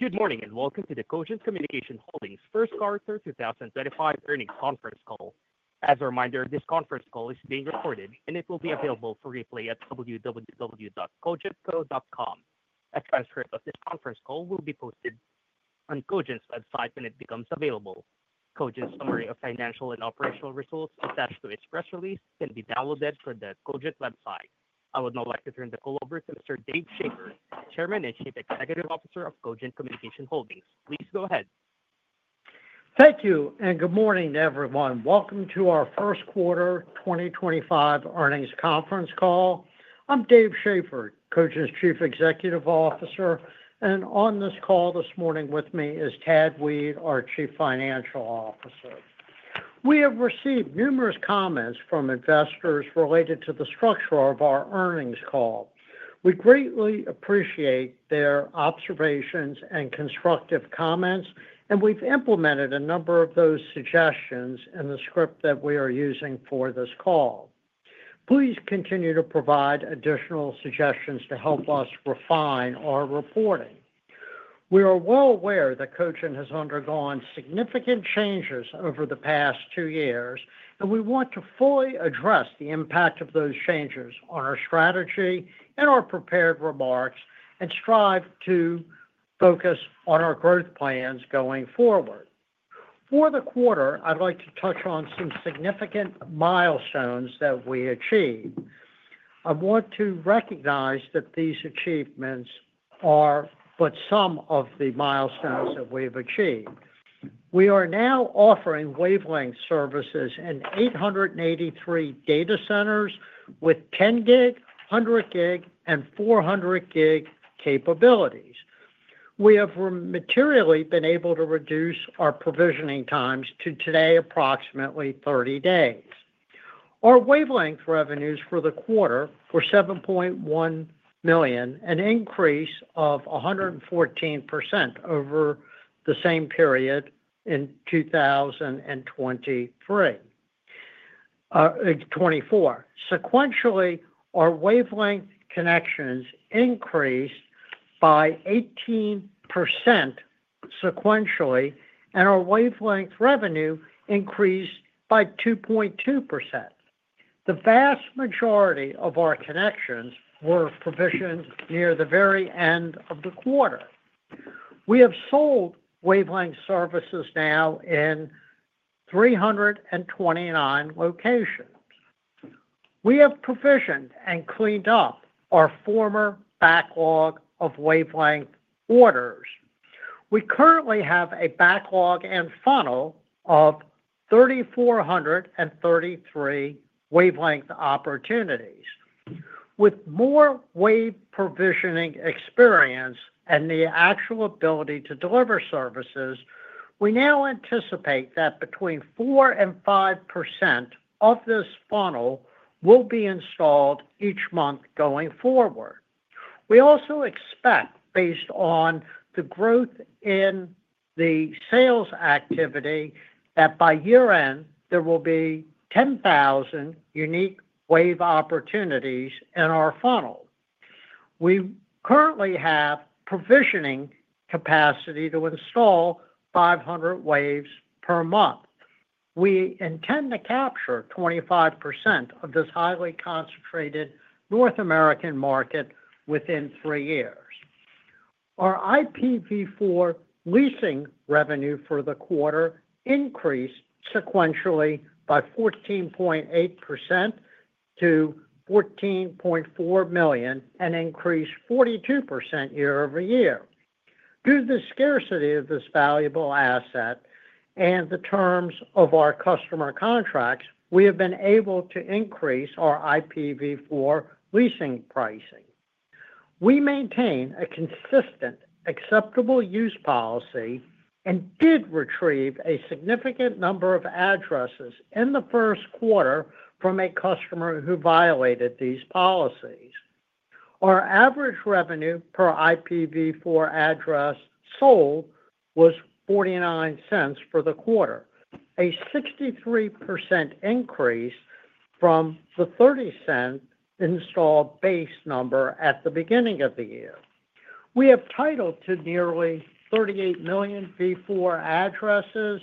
Good morning and welcome to the Cogent Communications Holdings first quarter 2025 earnings conference call. As a reminder, this conference call is being recorded and it will be available for replay at www.cogentco.com. A transcript of this conference call will be posted on Cogent's website when it becomes available. Cogent's summary of financial and operational results attached to its press release can be downloaded from the Cogent website. I would now like to turn the call over to Mr. Dave Schaeffer, Chairman and Chief Executive Officer of Cogent Communications Holdings. Please go ahead. Thank you and good morning, everyone. Welcome to our first quarter 2025 earnings conference call. I'm Dave Schaeffer, Cogent's Chief Executive Officer, and on this call this morning with me is Tad Weed, our Chief Financial Officer. We have received numerous comments from investors related to the structure of our earnings call. We greatly appreciate their observations and constructive comments, and we've implemented a number of those suggestions in the script that we are using for this call. Please continue to provide additional suggestions to help us refine our reporting. We are well aware that Cogent has undergone significant changes over the past two years, and we want to fully address the impact of those changes on our strategy and our prepared remarks and strive to focus on our growth plans going forward. For the quarter, I'd like to touch on some significant milestones that we achieved. I want to recognize that these achievements are but some of the milestones that we have achieved. We are now offering wavelength services in 883 data centers with 10-gig, 100-gig, and 400-gig capabilities. We have materially been able to reduce our provisioning times to today, approximately 30 days. Our wavelength revenues for the quarter were $7.1 million, an increase of 114% over the same period in 2023. Sequentially, our wavelength connections increased by 18% sequentially, and our wavelength revenue increased by 2.2%. The vast majority of our connections were provisioned near the very end of the quarter. We have sold wavelength services now in 329 locations. We have provisioned and cleaned up our former backlog of wavelength orders. We currently have a backlog and funnel of 3,433 wavelength opportunities. With more wave provisioning experience and the actual ability to deliver services, we now anticipate that between 4% and 5% of this funnel will be installed each month going forward. We also expect, based on the growth in the sales activity, that by year-end there will be 10,000 unique wave opportunities in our funnel. We currently have provisioning capacity to install 500 waves per month. We intend to capture 25% of this highly concentrated North American market within three years. Our IPv4 leasing revenue for the quarter increased sequentially by 14.8% to $14.4 million and increased 42% year over year. Due to the scarcity of this valuable asset and the terms of our customer contracts, we have been able to increase our IPv4 leasing pricing. We maintain a consistent acceptable use policy and did retrieve a significant number of addresses in the first quarter from a customer who violated these policies. Our average revenue per IPv4 address sold was $0.49 for the quarter, a 63% increase from the $0.30 installed base number at the beginning of the year. We have title to nearly 38 million V4 addresses,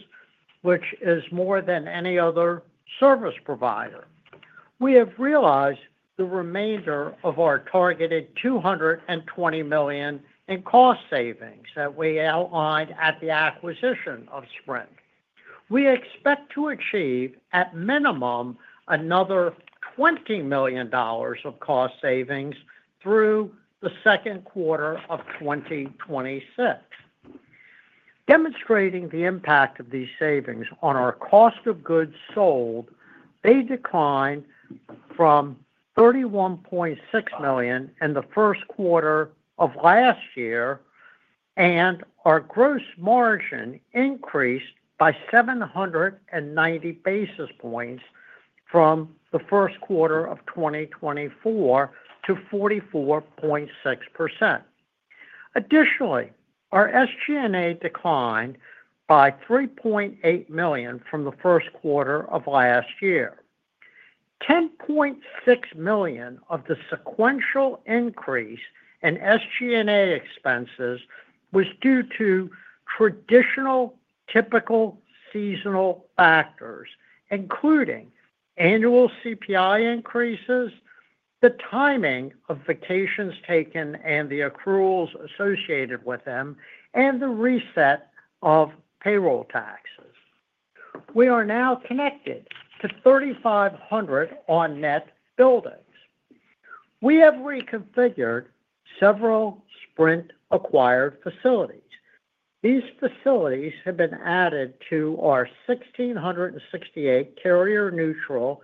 which is more than any other service provider. We have realized the remainder of our targeted $220 million in cost savings that we outlined at the acquisition of Sprint. We expect to achieve, at minimum, another $20 million of cost savings through the second quarter of 2026. Demonstrating the impact of these savings on our cost of goods sold, they declined from $31.6 million in the first quarter of last year, and our gross margin increased by 790 basis points from the first quarter of 2024 to 44.6%. Additionally, our SG&A declined by $3.8 million from the first quarter of last year. $10.6 million of the sequential increase in SG&A expenses was due to traditional typical seasonal factors, including annual CPI increases, the timing of vacations taken and the accruals associated with them, and the reset of payroll taxes. We are now connected to 3,500 on-net buildings. We have reconfigured several Sprint-acquired facilities. These facilities have been added to our 1,668 carrier-neutral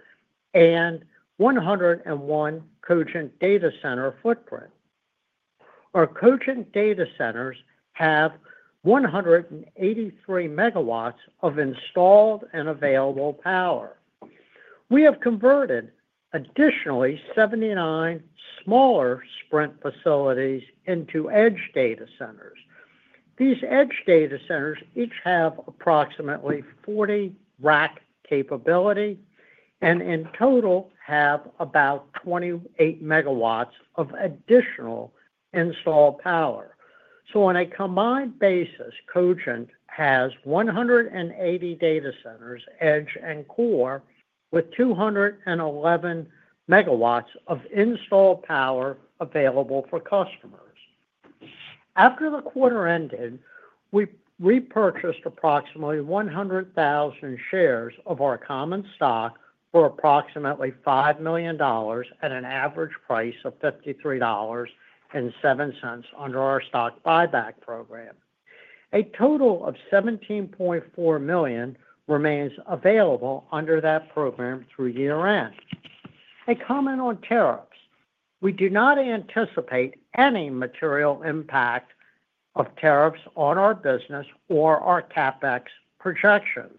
and 101 Cogent data center footprint. Our Cogent data centers have 183 megawatts of installed and available power. We have converted additionally 79 smaller Sprint facilities into edge data centers. These edge data centers each have approximately 40 rack capability and in total have about 28 megawatts of additional installed power. On a combined basis, Cogent has 180 data centers, edge and core, with 211 megawatts of installed power available for customers. After the quarter ended, we repurchased approximately 100,000 shares of our common stock for approximately $5 million at an average price of $53.07 under our stock buyback program. A total of $17.4 million remains available under that program through year-end. A comment on tariffs: we do not anticipate any material impact of tariffs on our business or our CapEx projections.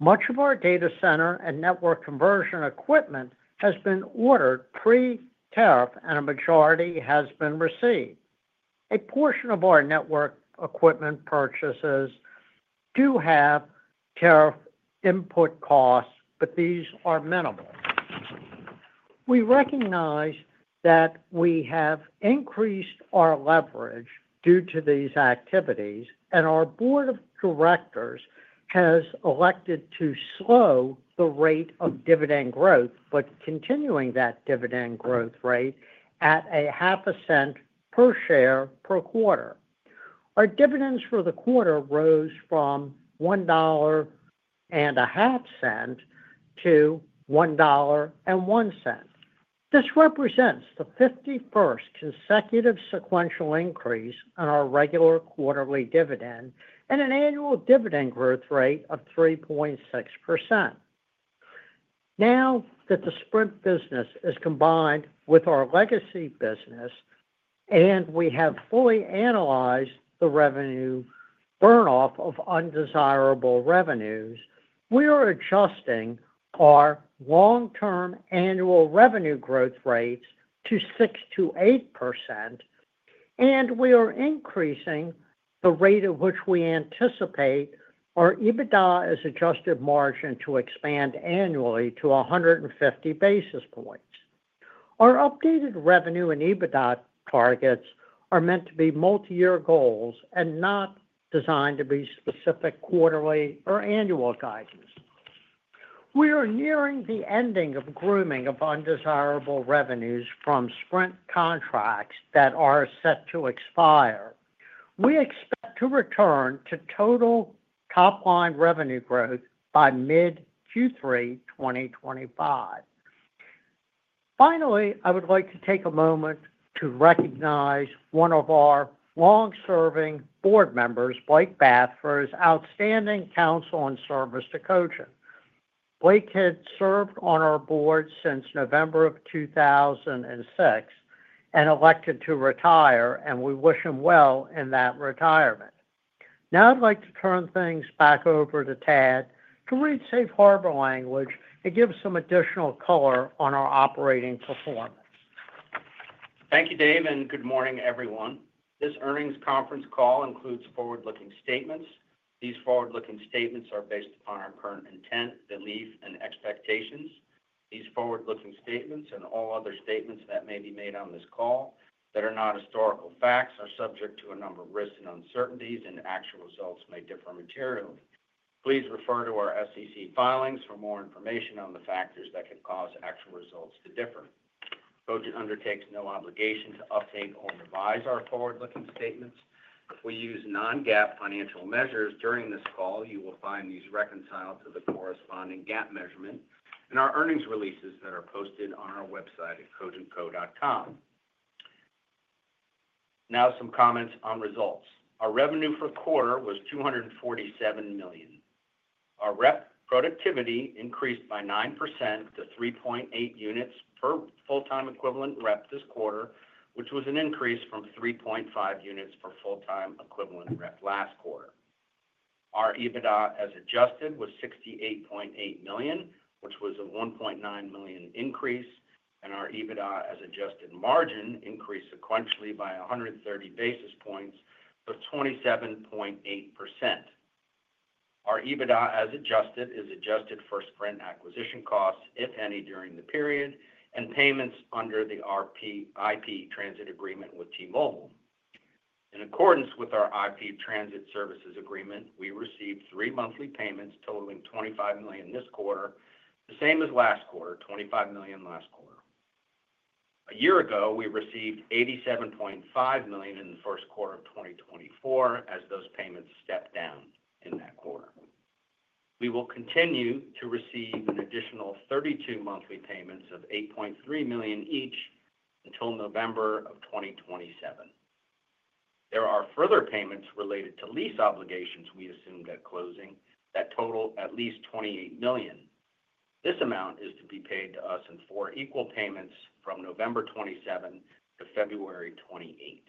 Much of our data center and network conversion equipment has been ordered pre-tariff, and a majority has been received. A portion of our network equipment purchases do have tariff input costs, but these are minimal. We recognize that we have increased our leverage due to these activities, and our board of directors has elected to slow the rate of dividend growth, but continuing that dividend growth rate at $0.005 per share per quarter. Our dividends for the quarter rose from $1.00 to $1.01. This represents the 51st consecutive sequential increase in our regular quarterly dividend and an annual dividend growth rate of 3.6%. Now that the Sprint business is combined with our legacy business and we have fully analyzed the revenue burn-off of undesirable revenues, we are adjusting our long-term annual revenue growth rates to 6.0%-8.0%, and we are increasing the rate at which we anticipate our EBITDA as adjusted margin to expand annually to 150 basis points. Our updated revenue and EBITDA targets are meant to be multi-year goals and not designed to be specific quarterly or annual guidance. We are nearing the ending of grooming of undesirable revenues from Sprint contracts that are set to expire. We expect to return to total top-line revenue growth by mid-Q3 2025. Finally, I would like to take a moment to recognize one of our long-serving board members, Blake Bathford, as outstanding counsel and service to Cogent. Blake had served on our board since November of 2006 and elected to retire, and we wish him well in that retirement. Now I'd like to turn things back over to Tad to read safe harbor language and give some additional color on our operating performance. Thank you, Dave, and good morning, everyone. This earnings conference call includes forward-looking statements. These forward-looking statements are based upon our current intent, belief, and expectations. These forward-looking statements and all other statements that may be made on this call that are not historical facts are subject to a number of risks and uncertainties, and actual results may differ materially. Please refer to our SEC filings for more information on the factors that can cause actual results to differ. Cogent undertakes no obligation to update or revise our forward-looking statements. We use non-GAAP financial measures during this call. You will find these reconciled to the corresponding GAAP measurement in our earnings releases that are posted on our website at cogentco.com. Now some comments on results. Our revenue for the quarter was $247 million. Our rep productivity increased by 9% to 3.8 units per full-time equivalent rep this quarter, which was an increase from 3.5 units per full-time equivalent rep last quarter. Our EBITDA as adjusted was $68.8 million, which was a $1.9 million increase, and our EBITDA as adjusted margin increased sequentially by 130 basis points to 27.8%. Our EBITDA as adjusted is adjusted for Sprint acquisition costs, if any, during the period, and payments under the IP transit agreement with T-Mobile. In accordance with our IP transit services agreement, we received three monthly payments totaling $25 million this quarter, the same as last quarter, $25 million last quarter. A year ago, we received $87.5 million in the first quarter of 2024 as those payments stepped down in that quarter. We will continue to receive an additional 32 monthly payments of $8.3 million each until November of 2027. There are further payments related to lease obligations we assume at closing that total at least $28 million. This amount is to be paid to us in four equal payments from November 27 to February 28.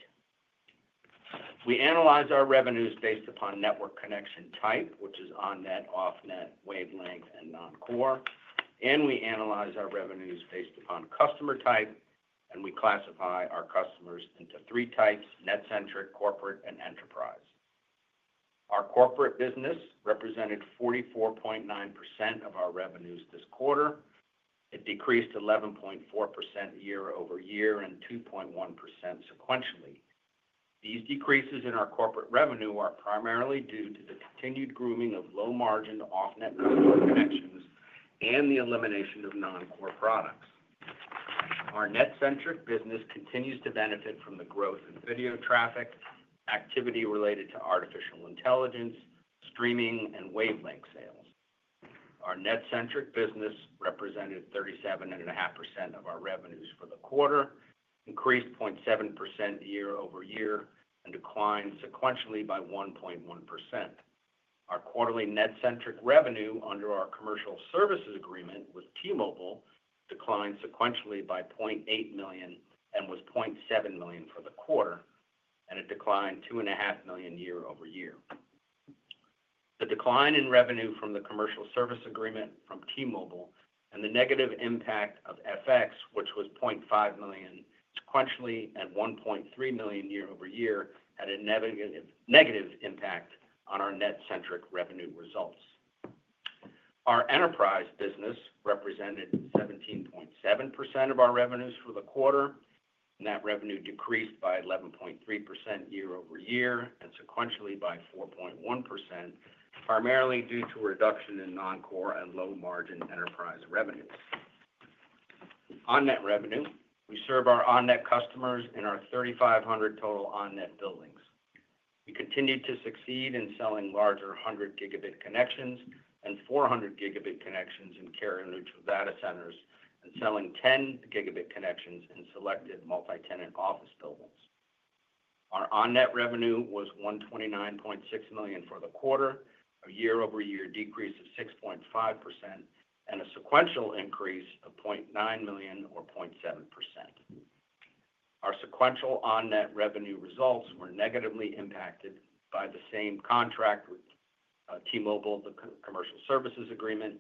We analyze our revenues based upon network connection type, which is on-net, off-net, wavelength, and non-core, and we analyze our revenues based upon customer type, and we classify our customers into three types: net-centric, corporate, and enterprise. Our corporate business represented 44.9% of our revenues this quarter. It decreased 11.4% year over year and 2.1% sequentially. These decreases in our corporate revenue are primarily due to the continued grooming of low-margin off-net network connections and the elimination of non-core products. Our net-centric business continues to benefit from the growth in video traffic, activity related to artificial intelligence, streaming, and wavelength sales. Our net-centric business represented 37.5% of our revenues for the quarter, increased 0.7% year over year, and declined sequentially by 1.1%. Our quarterly net-centric revenue under our commercial services agreement with T-Mobile declined sequentially by $0.8 million and was $0.7 million for the quarter, and it declined $2.5 million year over year. The decline in revenue from the commercial service agreement from T-Mobile and the negative impact of FX, which was $0.5 million sequentially and $1.3 million year over year, had a negative impact on our net-centric revenue results. Our enterprise business represented 17.7% of our revenues for the quarter, and that revenue decreased by 11.3% year over year and sequentially by 4.1%, primarily due to a reduction in non-core and low-margin enterprise revenues. On-net revenue, we serve our on-net customers in our 3,500 total on-net buildings. We continue to succeed in selling larger 100 Gb connections and 400 Gb connections in carrier-neutral data centers and selling 10 gigabit connections in selected multi-tenant office buildings. Our on-net revenue was $129.6 million for the quarter, a year-over-year decrease of 6.5%, and a sequential increase of $0.9 million or 0.7%. Our sequential on-net revenue results were negatively impacted by the same contract with T-Mobile, the commercial services agreement,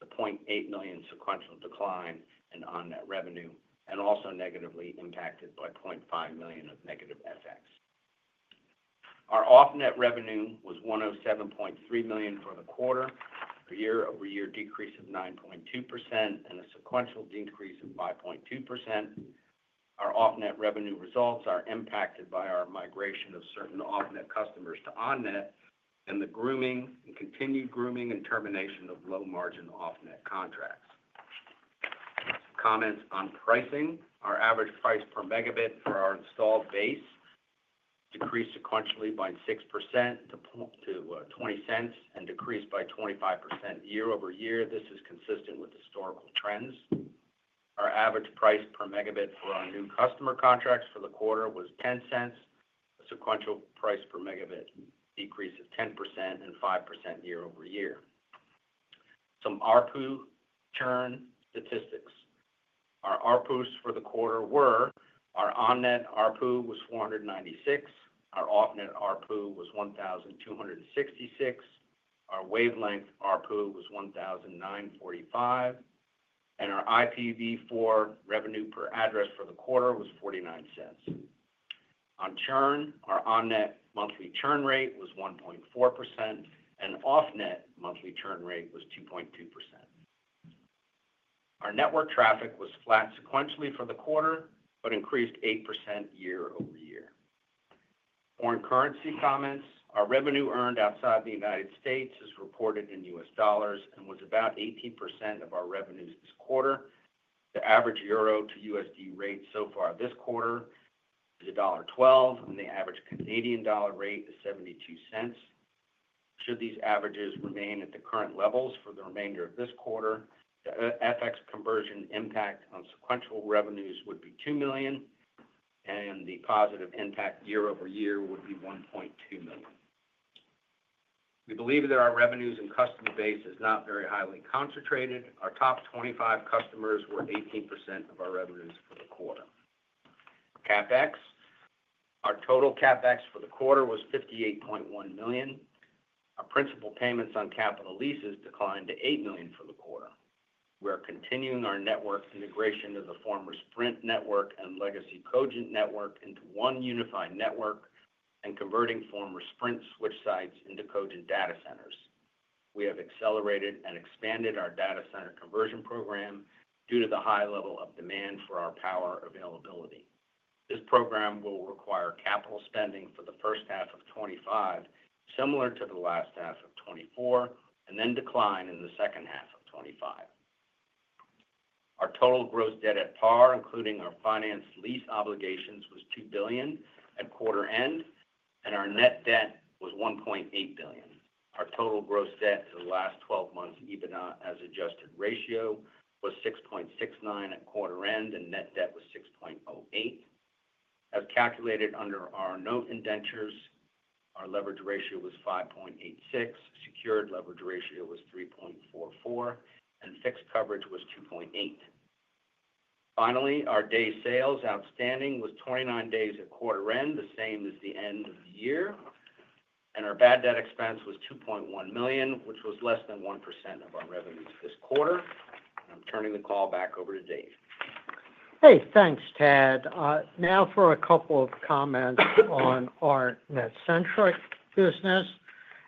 the $0.8 million sequential decline in on-net revenue, and also negatively impacted by $0.5 million of negative FX. Our off-net revenue was $107.3 million for the quarter, a year-over-year decrease of 9.2%, and a sequential decrease of 5.2%. Our off-net revenue results are impacted by our migration of certain off-net customers to on-net and the grooming and continued grooming and termination of low-margin off-net contracts. Comments on pricing: our average price per megabit for our installed base decreased sequentially by 6% to $0.20 and decreased by 25% year over year. This is consistent with historical trends. Our average price per megabit for our new customer contracts for the quarter was $0.10, a sequential price per megabit decrease of 10% and 5% year over year. Some ARPU churn statistics. Our ARPUs for the quarter were: our on-net ARPU was $496, our off-net ARPU was $1,266, our wavelength ARPU was $1,945, and our IPv4 revenue per address for the quarter was $0.49. On churn, our on-net monthly churn rate was 1.4%, and off-net monthly churn rate was 2.2%. Our network traffic was flat sequentially for the quarter but increased 8% year over year. Foreign currency comments: our revenue earned outside the United States is reported in US dollars and was about 18% of our revenues this quarter. The average euro to USD rate so far this quarter is $1.12, and the average Canadian dollar rate is 0.72. Should these averages remain at the current levels for the remainder of this quarter, the FX conversion impact on sequential revenues would be $2 million, and the positive impact year over year would be $1.2 million. We believe that our revenues and customer base is not very highly concentrated. Our top 25 customers were 18% of our revenues for the quarter. CapEx: our total CapEx for the quarter was $58.1 million. Our principal payments on capital leases declined to $8 million for the quarter. We are continuing our network integration of the former Sprint network and legacy Cogent network into one unified network and converting former Sprint switch sites into Cogent data centers. We have accelerated and expanded our data center conversion program due to the high level of demand for our power availability. This program will require capital spending for the first half of 2025, similar to the last half of 2024, and then decline in the second half of 2025. Our total gross debt at par, including our financed lease obligations, was $2 billion at quarter end, and our net debt was $1.8 billion. Our total gross debt to the last 12 months EBITDA as adjusted ratio was 6.69 at quarter end, and net debt was 6.08. As calculated under our note indentures, our leverage ratio was 5.86, secured leverage ratio was 3.44, and fixed coverage was 2.8. Finally, our day sales outstanding was 29 days at quarter end, the same as the end of the year, and our bad debt expense was $2.1 million, which was less than 1% of our revenues this quarter. I'm turning the call back over to Dave. Hey, thanks, Tad. Now for a couple of comments on our net-centric business.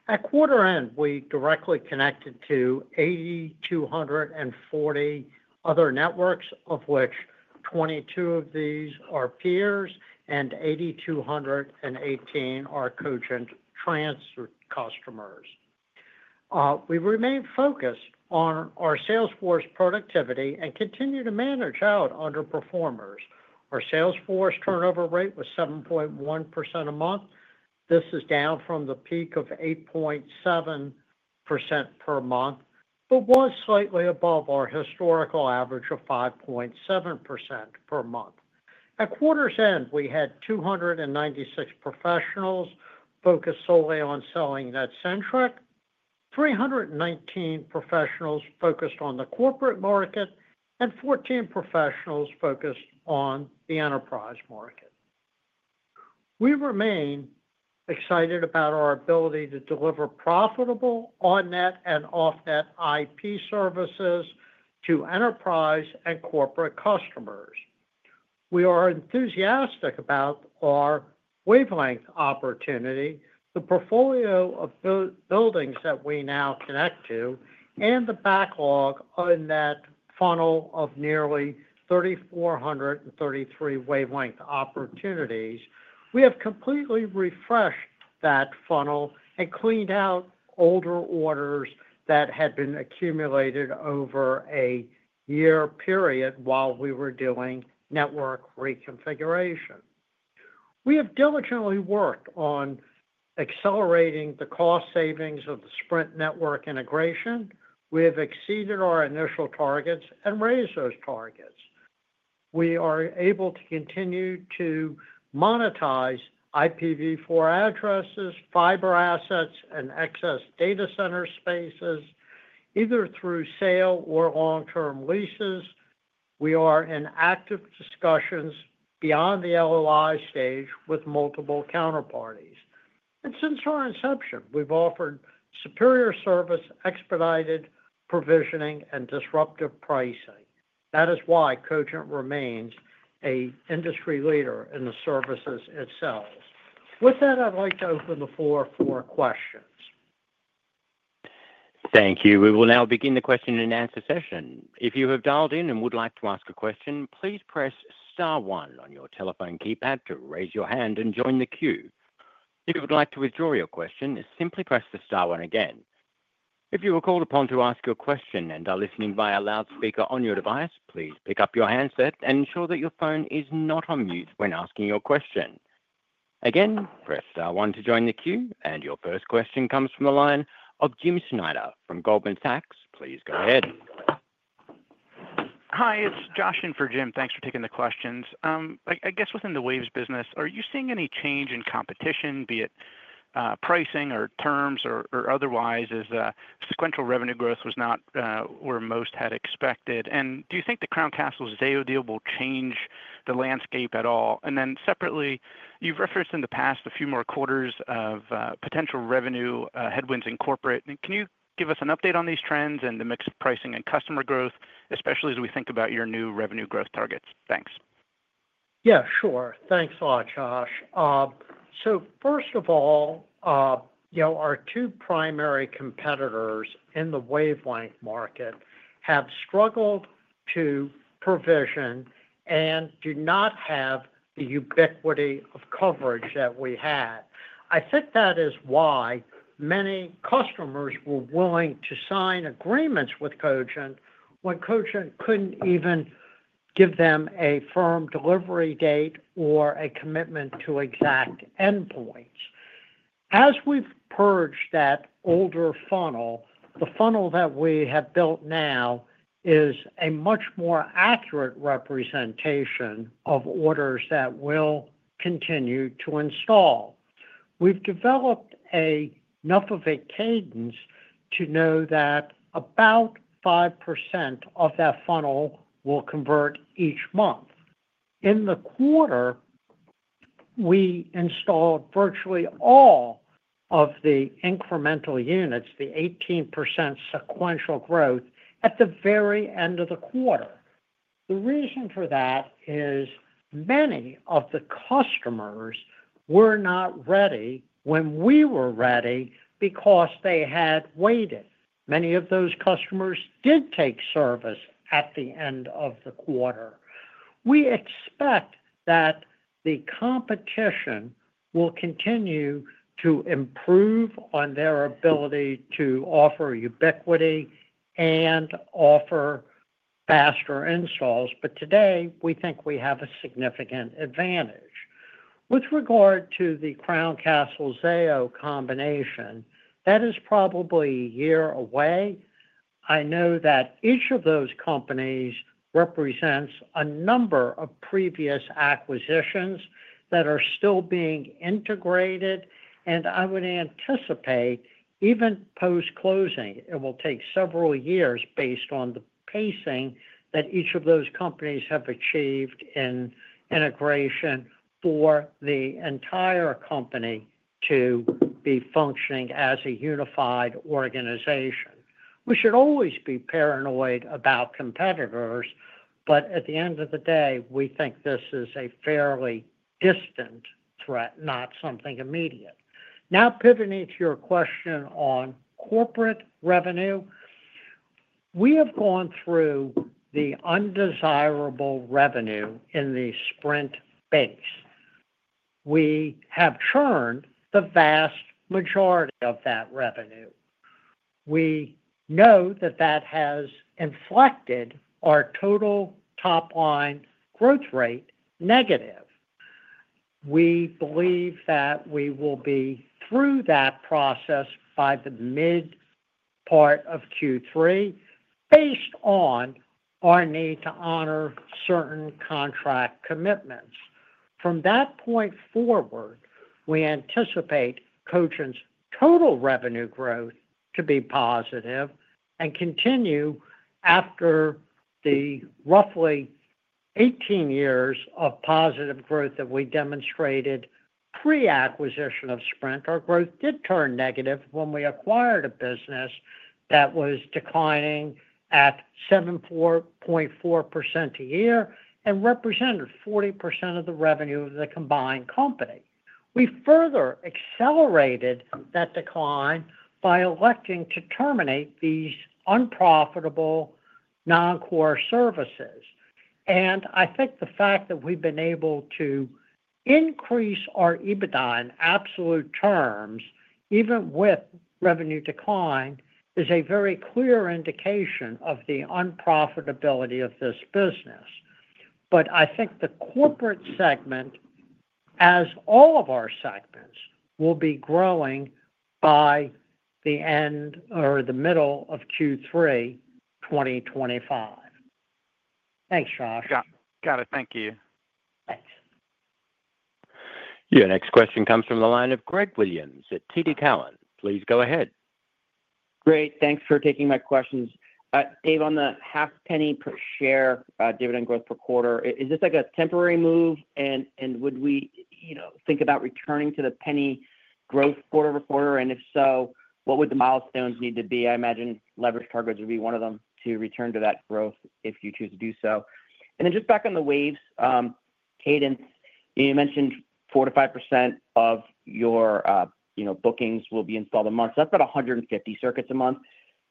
At quarter end, we directly connected to 8,240 other networks, of which 22 of these are peers and 8,218 are Cogent transfer customers. We remained focused on our Salesforce productivity and continue to manage out underperformers. Our Salesforce turnover rate was 7.1% a month. This is down from the peak of 8.7% per month but was slightly above our historical average of 5.7% per month. At quarter's end, we had 296 professionals focused solely on selling net-centric, 319 professionals focused on the corporate market, and 14 professionals focused on the enterprise market. We remain excited about our ability to deliver profitable on-net and off-net IP services to enterprise and corporate customers. We are enthusiastic about our wavelength opportunity, the portfolio of buildings that we now connect to, and the backlog on that funnel of nearly 3,433 wavelength opportunities. We have completely refreshed that funnel and cleaned out older orders that had been accumulated over a year period while we were doing network reconfiguration. We have diligently worked on accelerating the cost savings of the Sprint network integration. We have exceeded our initial targets and raised those targets. We are able to continue to monetize IPv4 addresses, fiber assets, and excess data center spaces, either through sale or long-term leases. We are in active discussions beyond the LOI stage with multiple counterparties. Since our inception, we've offered superior service, expedited provisioning, and disruptive pricing. That is why Cogent remains an industry leader in the services itself. With that, I'd like to open the floor for questions. Thank you. We will now begin the question and answer session. If you have dialed in and would like to ask a question, please press star one on your telephone keypad to raise your hand and join the queue. If you would like to withdraw your question, simply press the star one again. If you are called upon to ask your question and are listening via loudspeaker on your device, please pick up your handset and ensure that your phone is not on mute when asking your question. Again, press star one to join the queue, and your first question comes from the line of Jim Schneider from Goldman Sachs. Please go ahead. Hi, it's Josh in for Jim. Thanks for taking the questions. I guess within the waves business, are you seeing any change in competition, be it pricing or terms or otherwise, as sequential revenue growth was not where most had expected? Do you think the Crown Castle's Zayo deal will change the landscape at all? Separately, you've referenced in the past a few more quarters of potential revenue headwinds in corporate. Can you give us an update on these trends and the mixed pricing and customer growth, especially as we think about your new revenue growth targets? Thanks. Yeah, sure. Thanks a lot, Josh. First of all, our two primary competitors in the wavelength market have struggled to provision and do not have the ubiquity of coverage that we had. I think that is why many customers were willing to sign agreements with Cogent when Cogent could not even give them a firm delivery date or a commitment to exact endpoints. As we have purged that older funnel, the funnel that we have built now is a much more accurate representation of orders that will continue to install. We have developed enough of a cadence to know that about 5% of that funnel will convert each month. In the quarter, we installed virtually all of the incremental units, the 18% sequential growth at the very end of the quarter. The reason for that is many of the customers were not ready when we were ready because they had waited. Many of those customers did take service at the end of the quarter. We expect that the competition will continue to improve on their ability to offer ubiquity and offer faster installs, but today we think we have a significant advantage. With regard to the Crown Castle Zayo combination, that is probably a year away. I know that each of those companies represents a number of previous acquisitions that are still being integrated, and I would anticipate even post-closing, it will take several years based on the pacing that each of those companies have achieved in integration for the entire company to be functioning as a unified organization. We should always be paranoid about competitors, but at the end of the day, we think this is a fairly distant threat, not something immediate. Now, pivoting to your question on corporate revenue, we have gone through the undesirable revenue in the Sprint base. We have churned the vast majority of that revenue. We know that that has inflected our total top-line growth rate negative. We believe that we will be through that process by the mid-part of Q3 based on our need to honor certain contract commitments. From that point forward, we anticipate Cogent's total revenue growth to be positive and continue after the roughly 18 years of positive growth that we demonstrated pre-acquisition of Sprint. Our growth did turn negative when we acquired a business that was declining at 7.4% a year and represented 40% of the revenue of the combined company. We further accelerated that decline by electing to terminate these unprofitable non-core services. I think the fact that we've been able to increase our EBITDA in absolute terms, even with revenue decline, is a very clear indication of the unprofitability of this business. I think the corporate segment, as all of our segments, will be growing by the end or the middle of Q3 2025. Thanks, Josh. Yeah. Got it. Thank you. Thanks. Your next question comes from the line of Greg Williams at TD Cowen. Please go ahead. Great. Thanks for taking my questions. Dave, on the half penny per share dividend growth per quarter, is this a temporary move, and would we think about returning to the penny growth quarter over quarter? If so, what would the milestones need to be? I imagine leverage targets would be one of them to return to that growth if you choose to do so. Just back on the waves cadence, you mentioned 4-5% of your bookings will be installed a month. That is about 150 circuits a month.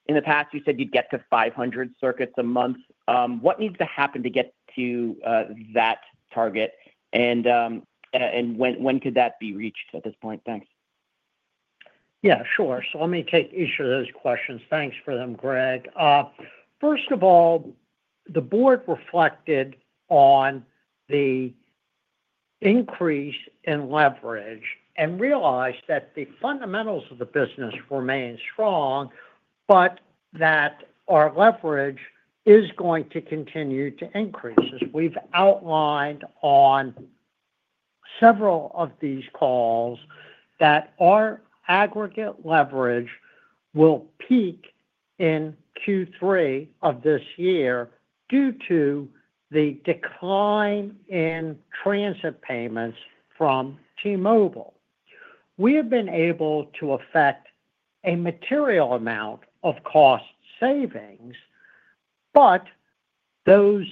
In the past, you said you would get to 500 circuits a month. What needs to happen to get to that target, and when could that be reached at this point? Thanks. Yeah, sure. Let me take each of those questions. Thanks for them, Greg. First of all, the board reflected on the increase in leverage and realized that the fundamentals of the business remain strong, but that our leverage is going to continue to increase. As we've outlined on several of these calls, our aggregate leverage will peak in Q3 of this year due to the decline in transit payments from T-Mobile. We have been able to effect a material amount of cost savings, but those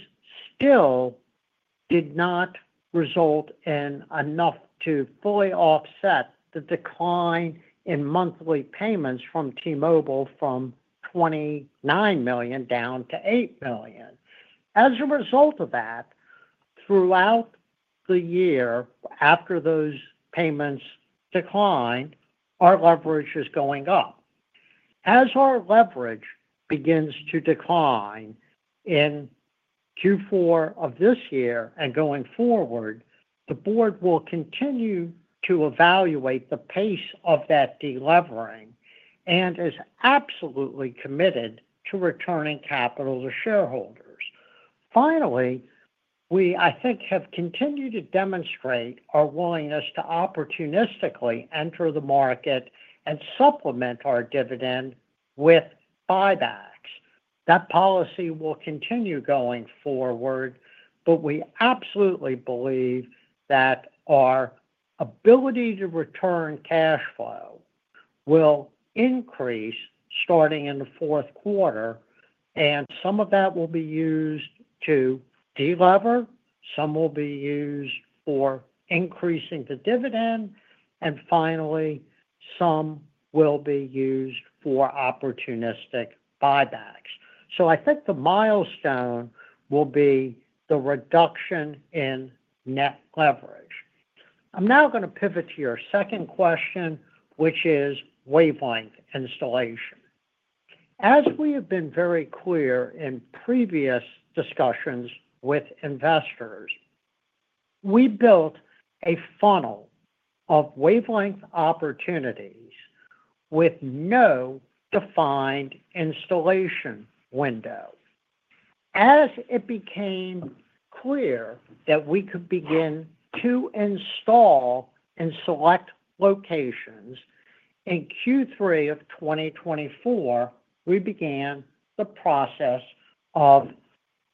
still did not result in enough to fully offset the decline in monthly payments from T-Mobile from $29 million down to $8 million. As a result of that, throughout the year after those payments declined, our leverage is going up. As our leverage begins to decline in Q4 of this year and going forward, the board will continue to evaluate the pace of that delevering and is absolutely committed to returning capital to shareholders. Finally, we, I think, have continued to demonstrate our willingness to opportunistically enter the market and supplement our dividend with buybacks. That policy will continue going forward, but we absolutely believe that our ability to return cash flow will increase starting in the fourth quarter, and some of that will be used to delever, some will be used for increasing the dividend, and finally, some will be used for opportunistic buybacks. I think the milestone will be the reduction in net leverage. I'm now going to pivot to your second question, which is wavelength installation. As we have been very clear in previous discussions with investors, we built a funnel of wavelength opportunities with no defined installation window. As it became clear that we could begin to install in select locations in Q3 of 2024, we began the process of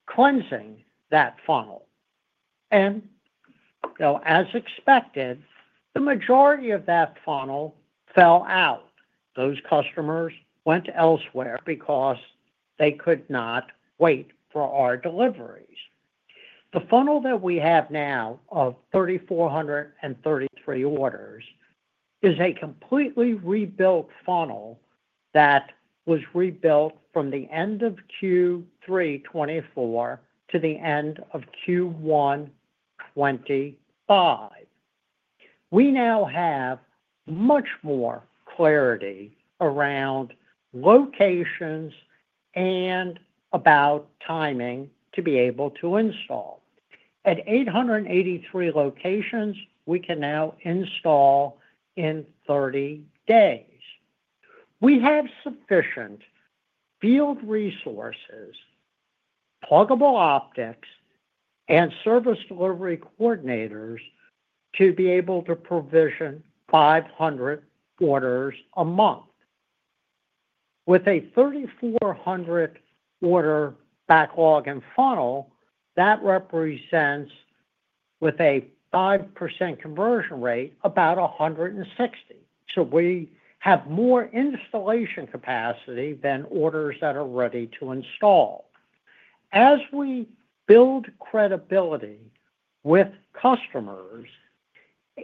cleansing that funnel. As expected, the majority of that funnel fell out. Those customers went elsewhere because they could not wait for our deliveries. The funnel that we have now of 3,433 orders is a completely rebuilt funnel that was rebuilt from the end of Q3 2024 to the end of Q1 2025. We now have much more clarity around locations and about timing to be able to install. At 883 locations, we can now install in 30 days. We have sufficient field resources, pluggable optics, and service delivery coordinators to be able to provision 500 orders a month. With a 3,400-order backlog and funnel, that represents, with a 5% conversion rate, about 160. We have more installation capacity than orders that are ready to install. As we build credibility with customers,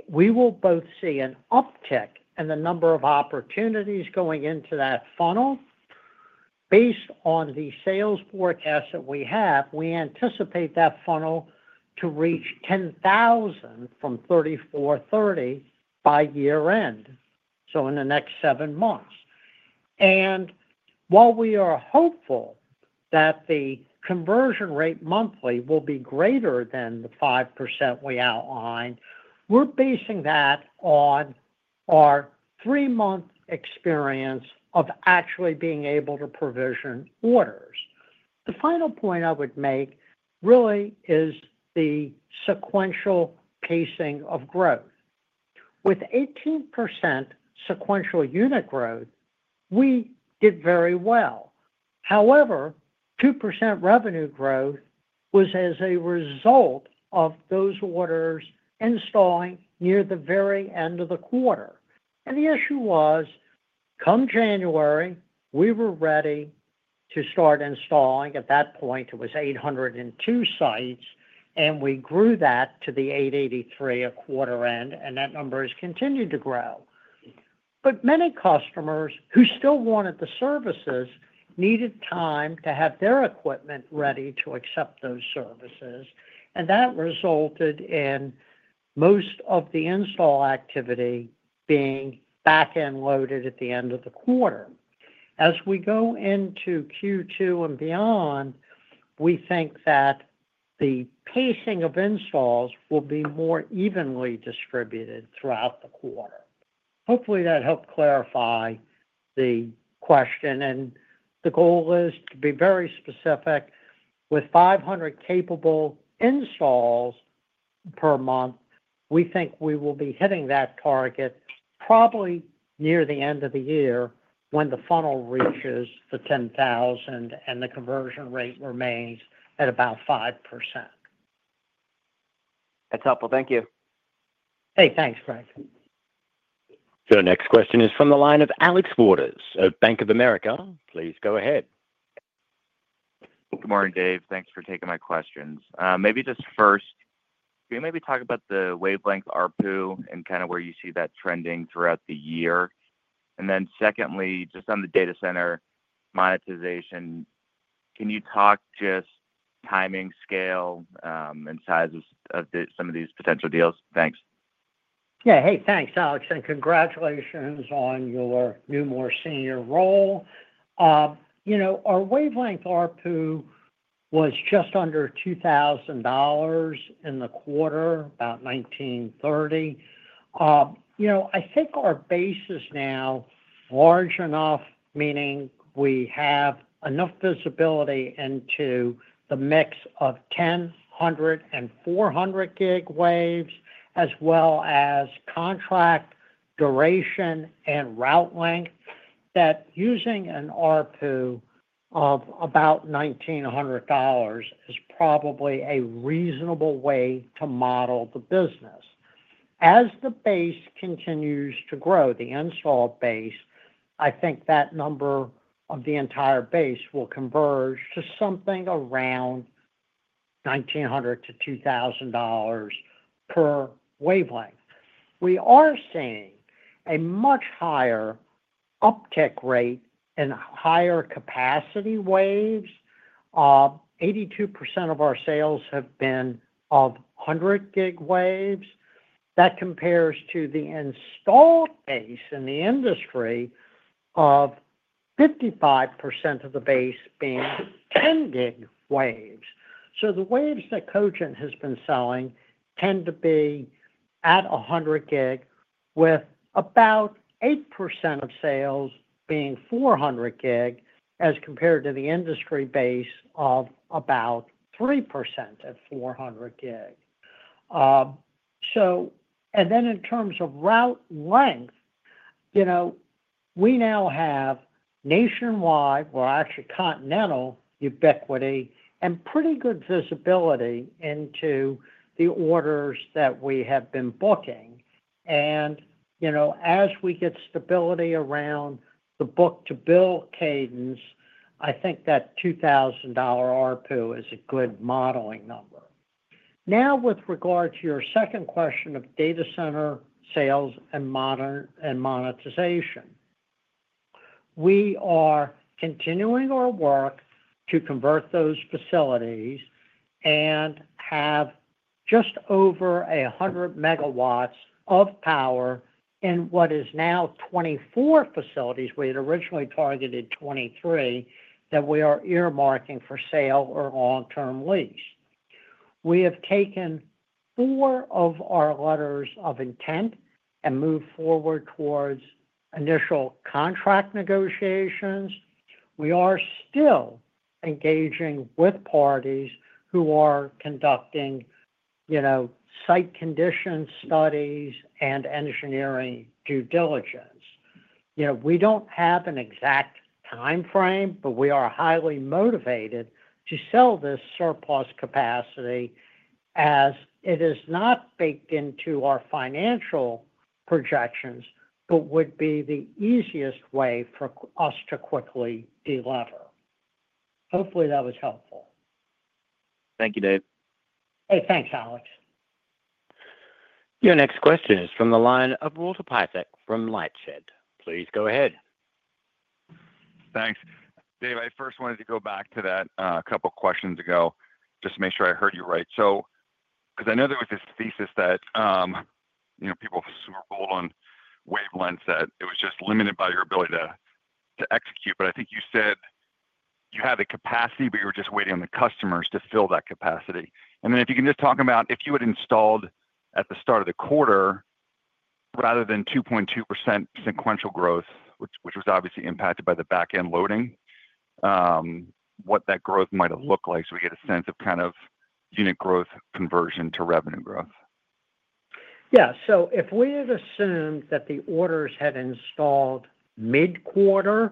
we will both see an uptick in the number of opportunities going into that funnel. Based on the sales forecast that we have, we anticipate that funnel to reach 10,000 from 3,430 by year-end, in the next seven months. While we are hopeful that the conversion rate monthly will be greater than the 5% we outlined, we're basing that on our three-month experience of actually being able to provision orders. The final point I would make really is the sequential pacing of growth. With 18% sequential unit growth, we did very well. However, 2% revenue growth was as a result of those orders installing near the very end of the quarter. The issue was, come January, we were ready to start installing. At that point, it was 802 sites, and we grew that to 883 at quarter end, and that number has continued to grow. Many customers who still wanted the services needed time to have their equipment ready to accept those services, and that resulted in most of the install activity being back-end loaded at the end of the quarter. As we go into Q2 and beyond, we think that the pacing of installs will be more evenly distributed throughout the quarter. Hopefully, that helped clarify the question. The goal is to be very specific. With 500 capable installs per month, we think we will be hitting that target probably near the end of the year when the funnel reaches 10,000 and the conversion rate remains at about 5%. That's helpful. Thank you. Hey, thanks, Greg. The next question is from the line of Alex Waters of Bank of America. Please go ahead. Good morning, Dave. Thanks for taking my questions. Maybe just first, can you maybe talk about the wavelength ARPU and kind of where you see that trending throughout the year? Secondly, just on the data center monetization, can you talk just timing, scale, and size of some of these potential deals? Thanks. Yeah. Hey, thanks, Alex. And congratulations on your new more senior role. Our wavelength ARPU was just under $2,000 in the quarter, about $1,930. I think our base is now large enough, meaning we have enough visibility into the mix of 10, 100, and 400G waves, as well as contract duration and route length, that using an ARPU of about $1,900 is probably a reasonable way to model the business. As the base continues to grow, the installed base, I think that number of the entire base will converge to something around $1,900-$2,000 per wavelength. We are seeing a much higher uptick rate in higher capacity waves. 82% of our sales have been of 100G waves. That compares to the installed base in the industry of 55% of the base being 10G waves. The waves that Cogent has been selling tend to be at 100-gig, with about 8% of sales being 400-gig, as compared to the industry base of about 3% at 400-gig. In terms of route length, we now have nationwide or actually continental ubiquity and pretty good visibility into the orders that we have been booking. As we get stability around the book-to-bill cadence, I think that $2,000 ARPU is a good modeling number. Now, with regard to your second question of data center sales and monetization, we are continuing our work to convert those facilities and have just over 100 megawatts of power in what is now 24 facilities. We had originally targeted 23 that we are earmarking for sale or long-term lease. We have taken four of our letters of intent and moved forward towards initial contract negotiations. We are still engaging with parties who are conducting site condition studies and engineering due diligence. We do not have an exact timeframe, but we are highly motivated to sell this surplus capacity as it is not baked into our financial projections, but would be the easiest way for us to quickly deliver. Hopefully, that was helpful. Thank you, Dave. Hey, thanks, Alex. Your next question is from the line of Walter Piecyk from Lightspeed. Please go ahead. Thanks. Dave, I first wanted to go back to that couple of questions ago just to make sure I heard you right. Because I know there was this thesis that people super bold on wavelengths that it was just limited by your ability to execute. I think you said you had the capacity, but you were just waiting on the customers to fill that capacity. If you can just talk about if you had installed at the start of the quarter, rather than 2.2% sequential growth, which was obviously impacted by the back-end loading, what that growth might have looked like so we get a sense of kind of unit growth conversion to revenue growth. Yeah. If we had assumed that the orders had installed mid-quarter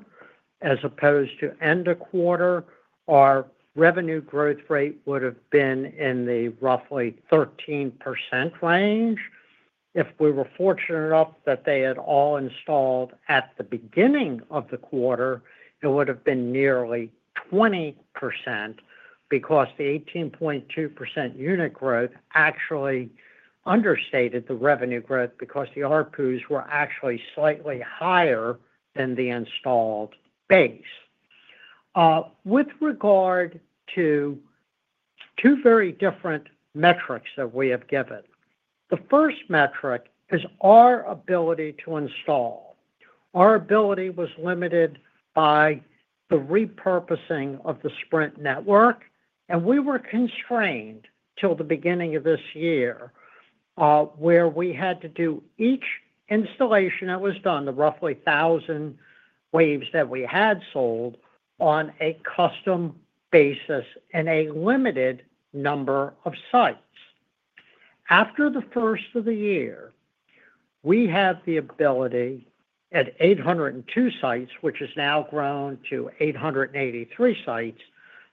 as opposed to end of quarter, our revenue growth rate would have been in the roughly 13% range. If we were fortunate enough that they had all installed at the beginning of the quarter, it would have been nearly 20% because the 18.2% unit growth actually understated the revenue growth because the ARPUs were actually slightly higher than the installed base. With regard to two very different metrics that we have given, the first metric is our ability to install. Our ability was limited by the repurposing of the Sprint network, and we were constrained till the beginning of this year where we had to do each installation that was done, the roughly 1,000 waves that we had sold on a custom basis in a limited number of sites. After the first of the year, we had the ability at 802 sites, which has now grown to 883 sites,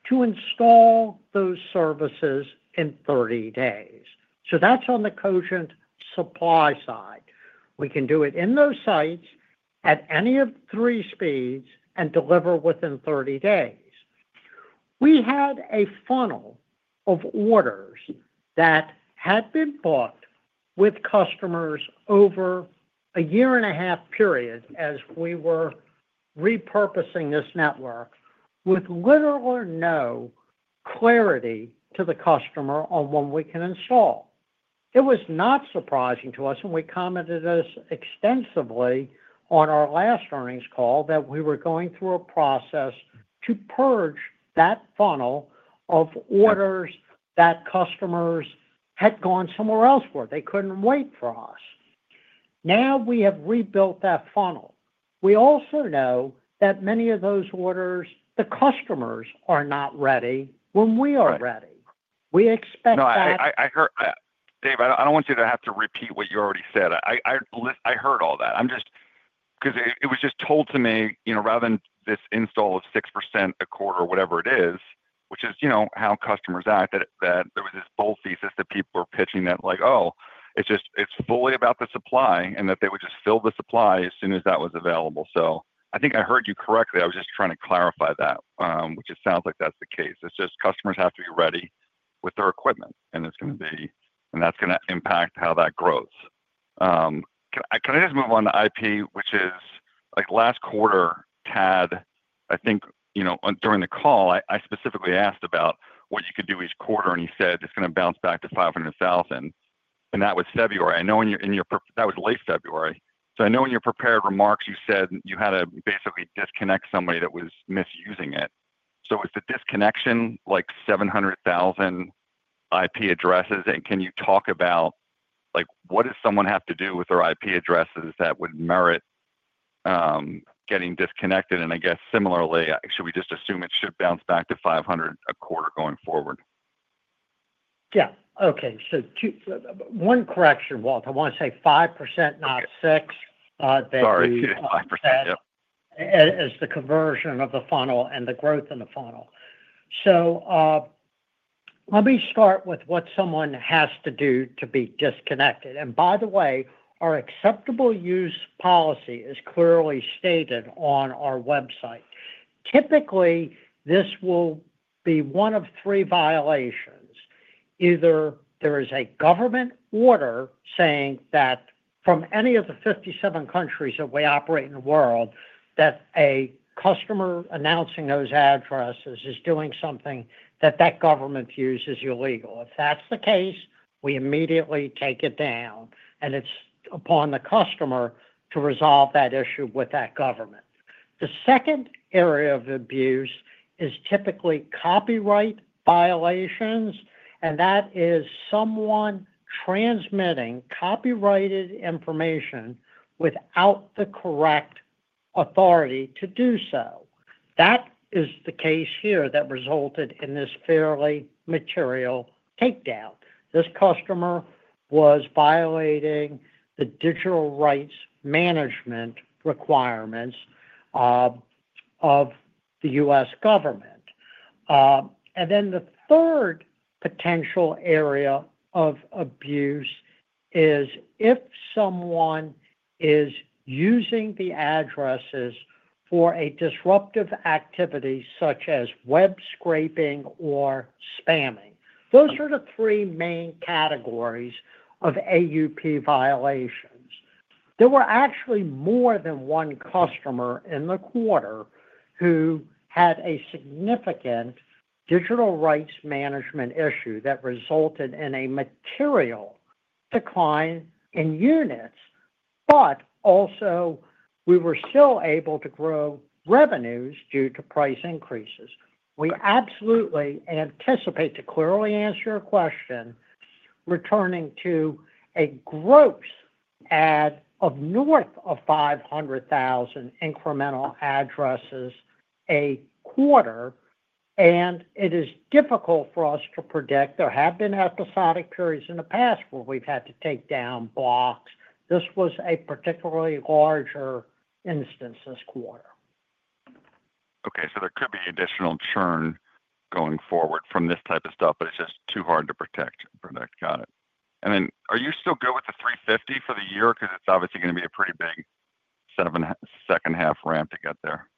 to install those services in 30 days. That is on the Cogent supply side. We can do it in those sites at any of three speeds and deliver within 30 days. We had a funnel of orders that had been booked with customers over a year-and-a-half period as we were repurposing this network with little or no clarity to the customer on when we can install. It was not surprising to us, and we commented extensively on our last earnings call that we were going through a process to purge that funnel of orders that customers had gone somewhere else for. They could not wait for us. Now we have rebuilt that funnel. We also know that many of those orders, the customers are not ready when we are ready. We expect that. Dave, I do not want you to have to repeat what you already said. I heard all that. Because it was just told to me, rather than this install of 6% a quarter or whatever it is, which is how customers act, that there was this bold thesis that people were pitching that like, "Oh, it is fully about the supply," and that they would just fill the supply as soon as that was available. I think I heard you correctly. I was just trying to clarify that, which it sounds like that is the case. It is just customers have to be ready with their equipment, and that is going to impact how that grows. Can I just move on to IP, which is last quarter, Tad, I think during the call, I specifically asked about what you could do each quarter, and you said it is going to bounce back to $500,000. That was February. I know in your, that was late February. I know in your prepared remarks, you said you had to basically disconnect somebody that was misusing it. Was the disconnection like 700,000 IP addresses? Can you talk about what does someone have to do with their IP addresses that would merit getting disconnected? I guess similarly, should we just assume it should bounce back to 500 a quarter going forward? Yeah. Okay. So one correction, Walter. I want to say 5%, not 6%. Sorry. 5%, yep. As the conversion of the funnel and the growth in the funnel. Let me start with what someone has to do to be disconnected. By the way, our acceptable use policy is clearly stated on our website. Typically, this will be one of three violations. Either there is a government order saying that from any of the 57 countries that we operate in the world, that a customer announcing those addresses is doing something that that government views as illegal. If that's the case, we immediately take it down, and it's upon the customer to resolve that issue with that government. The second area of abuse is typically copyright violations, and that is someone transmitting copyrighted information without the correct authority to do so. That is the case here that resulted in this fairly material takedown. This customer was violating the digital rights management requirements of the U.S. government. The third potential area of abuse is if someone is using the addresses for a disruptive activity such as web scraping or spamming. Those are the three main categories of AUP violations. There were actually more than one customer in the quarter who had a significant digital rights management issue that resulted in a material decline in units, but also we were still able to grow revenues due to price increases. We absolutely anticipate, to clearly answer your question, returning to a gross add of north of 500,000 incremental addresses a quarter. It is difficult for us to predict. There have been episodic periods in the past where we've had to take down blocks. This was a particularly larger instance this quarter. Okay. So there could be additional churn going forward from this type of stuff, but it's just too hard to predict. Got it. And then are you still good with the 350 for the year? Because it's obviously going to be a pretty big second-half ramp to get there.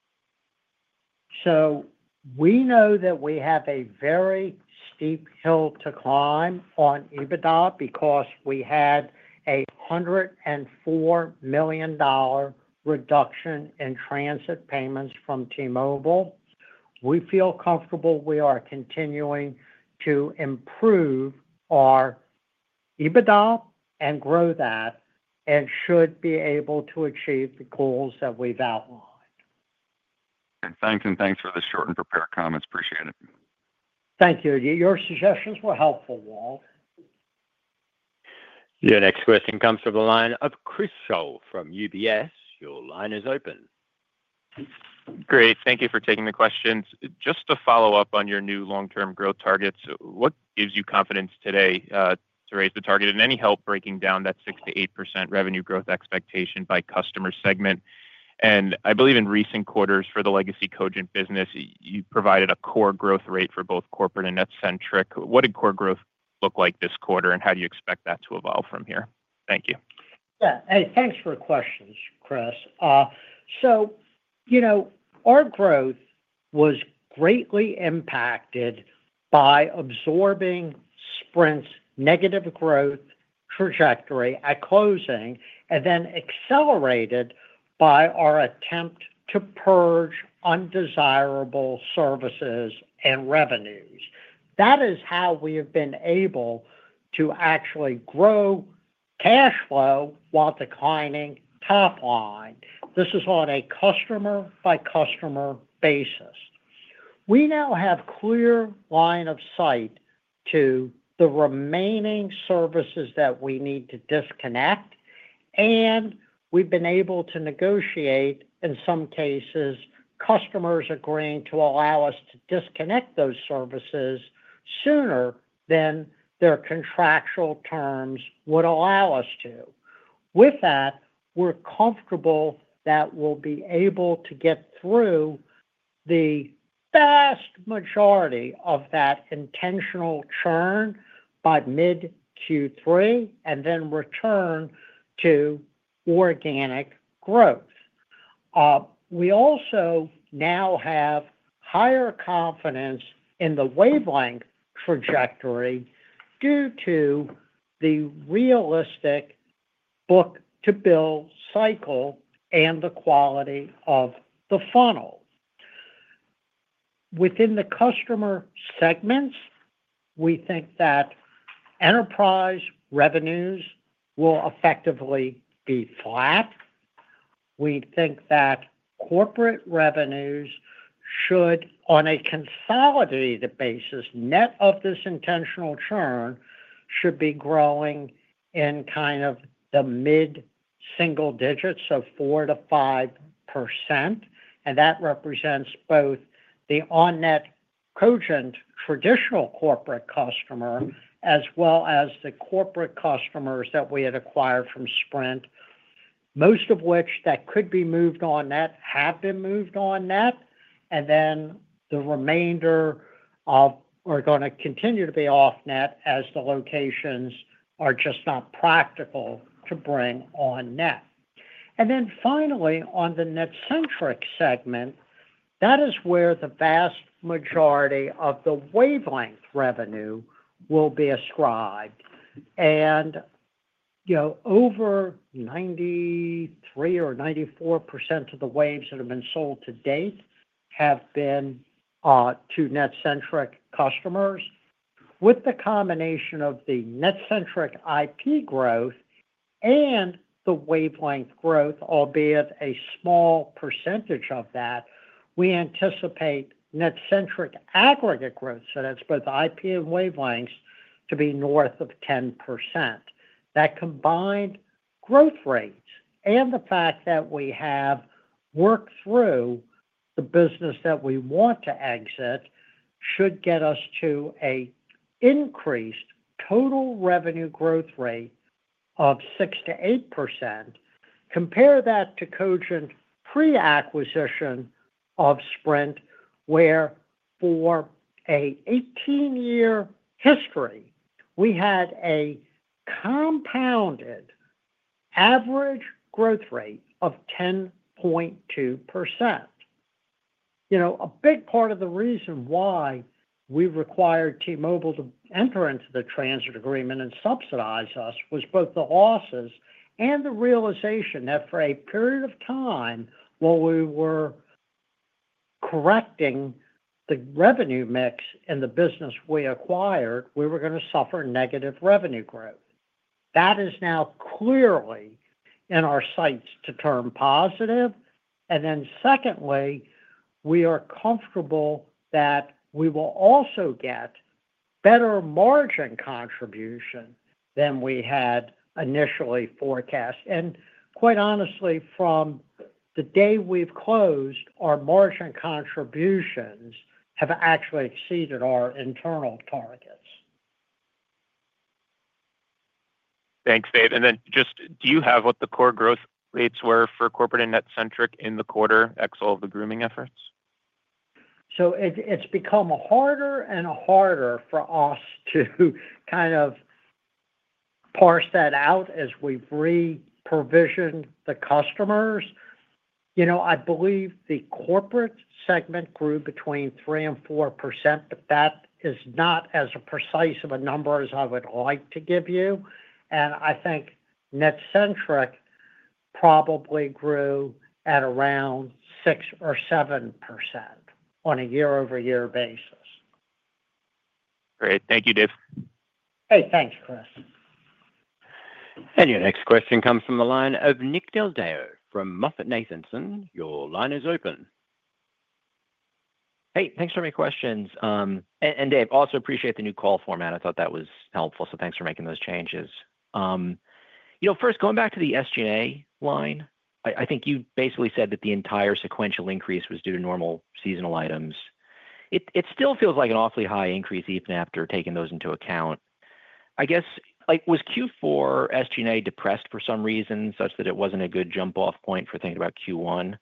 We know that we have a very steep hill to climb on EBITDA because we had a $104 million reduction in transit payments from T-Mobile. We feel comfortable we are continuing to improve our EBITDA and grow that and should be able to achieve the goals that we've outlined. Thanks. Thanks for the short and prepared comments. Appreciate it. Thank you. Your suggestions were helpful, Walt. Your next question comes from the line of Chris Schoell from UBS. Your line is open. Great. Thank you for taking the questions. Just to follow up on your new long-term growth targets, what gives you confidence today to raise the target, and any help breaking down that 6-8% revenue growth expectation by customer segment? I believe in recent quarters for the legacy Cogent business, you provided a core growth rate for both corporate and eccentric. What did core growth look like this quarter, and how do you expect that to evolve from here? Thank you. Yeah. Thanks for the questions, Chris. Our growth was greatly impacted by absorbing Sprint's negative growth trajectory at closing and then accelerated by our attempt to purge undesirable services and revenues. That is how we have been able to actually grow cash flow while declining top line. This is on a customer-by-customer basis. We now have a clear line of sight to the remaining services that we need to disconnect, and we've been able to negotiate, in some cases, customers agreeing to allow us to disconnect those services sooner than their contractual terms would allow us to. With that, we're comfortable that we'll be able to get through the vast majority of that intentional churn by mid-Q3 and then return to organic growth. We also now have higher confidence in the wavelength trajectory due to the realistic book-to-bill cycle and the quality of the funnel. Within the customer segments, we think that enterprise revenues will effectively be flat. We think that corporate revenues should, on a consolidated basis, net of this intentional churn, should be growing in kind of the mid-single digits of 4-5%. That represents both the on-net Cogent traditional corporate customer as well as the corporate customers that we had acquired from Sprint, most of which that could be moved on net, have been moved on net, and the remainder are going to continue to be off-net as the locations are just not practical to bring on net. Finally, on the net-centric segment, that is where the vast majority of the wavelength revenue will be ascribed. Over 93-94% of the waves that have been sold to date have been to net-centric customers. With the combination of the net-centric IP growth and the wavelength growth, albeit a small percentage of that, we anticipate net-centric aggregate growth, so that's both IP and wavelengths, to be north of 10%. That combined growth rate and the fact that we have worked through the business that we want to exit should get us to an increased total revenue growth rate of 6-8%. Compare that to Cogent's pre-acquisition of Sprint, where for an 18-year history, we had a compounded average growth rate of 10.2%. A big part of the reason why we required T-Mobile to enter into the transit agreement and subsidize us was both the losses and the realization that for a period of time while we were correcting the revenue mix in the business we acquired, we were going to suffer negative revenue growth. That is now clearly in our sights to turn positive. Secondly, we are comfortable that we will also get better margin contribution than we had initially forecast. Quite honestly, from the day we've closed, our margin contributions have actually exceeded our internal targets. Thanks, Dave. Do you have what the core growth rates were for corporate and net-centric in the quarter ex all of the grooming efforts? It's become harder and harder for us to kind of parse that out as we've re-provisioned the customers. I believe the corporate segment grew between 3% and 4%, but that is not as precise of a number as I would like to give you. I think net-centric probably grew at around 6% or 7% on a year-over-year basis. Great. Thank you, Dave. Hey, thanks, Chris. Your next question comes from the line of Nick Deldao from MoffettNathanson. Your line is open. Hey, thanks for my questions. Dave, also appreciate the new call format. I thought that was helpful, so thanks for making those changes. First, going back to the SG&A line, I think you basically said that the entire sequential increase was due to normal seasonal items. It still feels like an awfully high increase even after taking those into account. I guess, was Q4 SG&A depressed for some reason such that it was not a good jump-off point for thinking about Q1?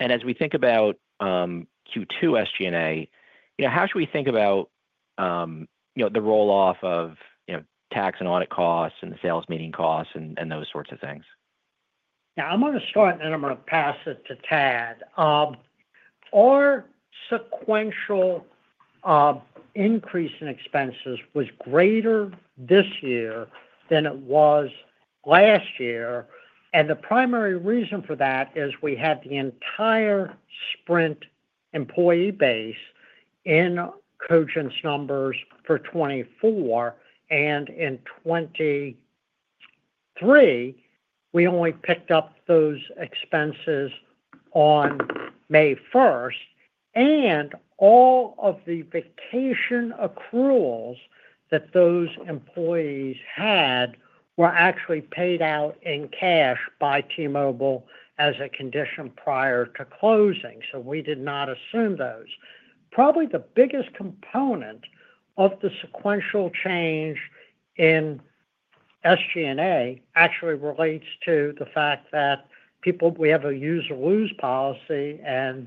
As we think about Q2 SG&A, how should we think about the roll-off of tax and audit costs and the sales meeting costs and those sorts of things? Yeah. I'm going to start, and then I'm going to pass it to Tad. Our sequential increase in expenses was greater this year than it was last year. The primary reason for that is we had the entire Sprint employee base in Cogent's numbers for 2024. In 2023, we only picked up those expenses on May 1. All of the vacation accruals that those employees had were actually paid out in cash by T-Mobile as a condition prior to closing. We did not assume those. Probably the biggest component of the sequential change in SG&A actually relates to the fact that we have a use-or-lose policy and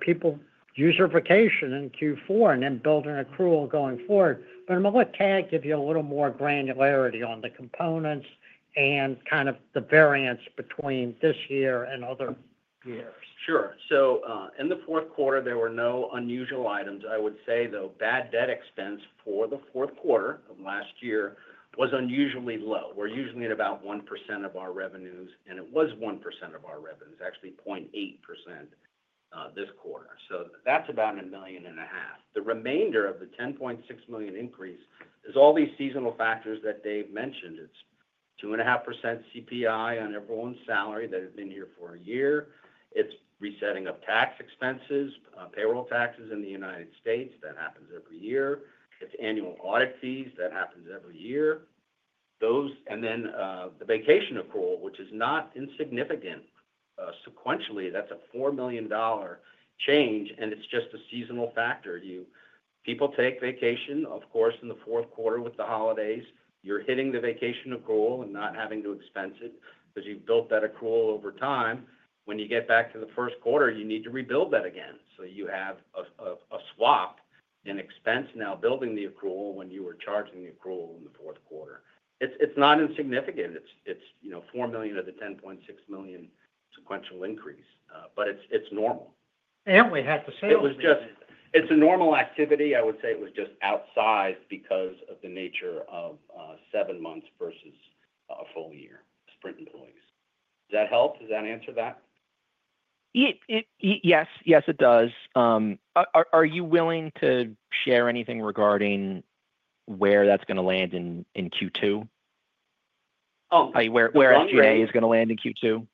people use their vacation in Q4 and then build an accrual going forward. I'm going to let Tad give you a little more granularity on the components and kind of the variance between this year and other years. Sure. In the fourth quarter, there were no unusual items. I would say, though, bad debt expense for the fourth quarter of last year was unusually low. We're usually at about 1% of our revenues, and it was 1% of our revenues, actually 0.8% this quarter. That's about $1,500,000. The remainder of the $10,600,000 increase is all these seasonal factors that Dave mentioned. It's 2.5% CPI on everyone's salary that have been here for a year. It's resetting of tax expenses, payroll taxes in the United States. That happens every year. It's annual audit fees. That happens every year. The vacation accrual, which is not insignificant sequentially, that's a $4,000,000 change, and it's just a seasonal factor. People take vacation, of course, in the fourth quarter with the holidays. You're hitting the vacation accrual and not having to expense it because you've built that accrual over time. When you get back to the first quarter, you need to rebuild that again. You have a swap in expense now building the accrual when you were charging the accrual in the fourth quarter. It's not insignificant. It's $4 million of the $10.6 million sequential increase, but it's normal. We had to say it was just. It's a normal activity. I would say it was just outsized because of the nature of seven months versus a full year, Sprint employees. Does that help? Does that answer that? Yes. Yes, it does. Are you willing to share anything regarding where that's going to land in Q2? Oh, no. Where is SG&A going to land in Q2?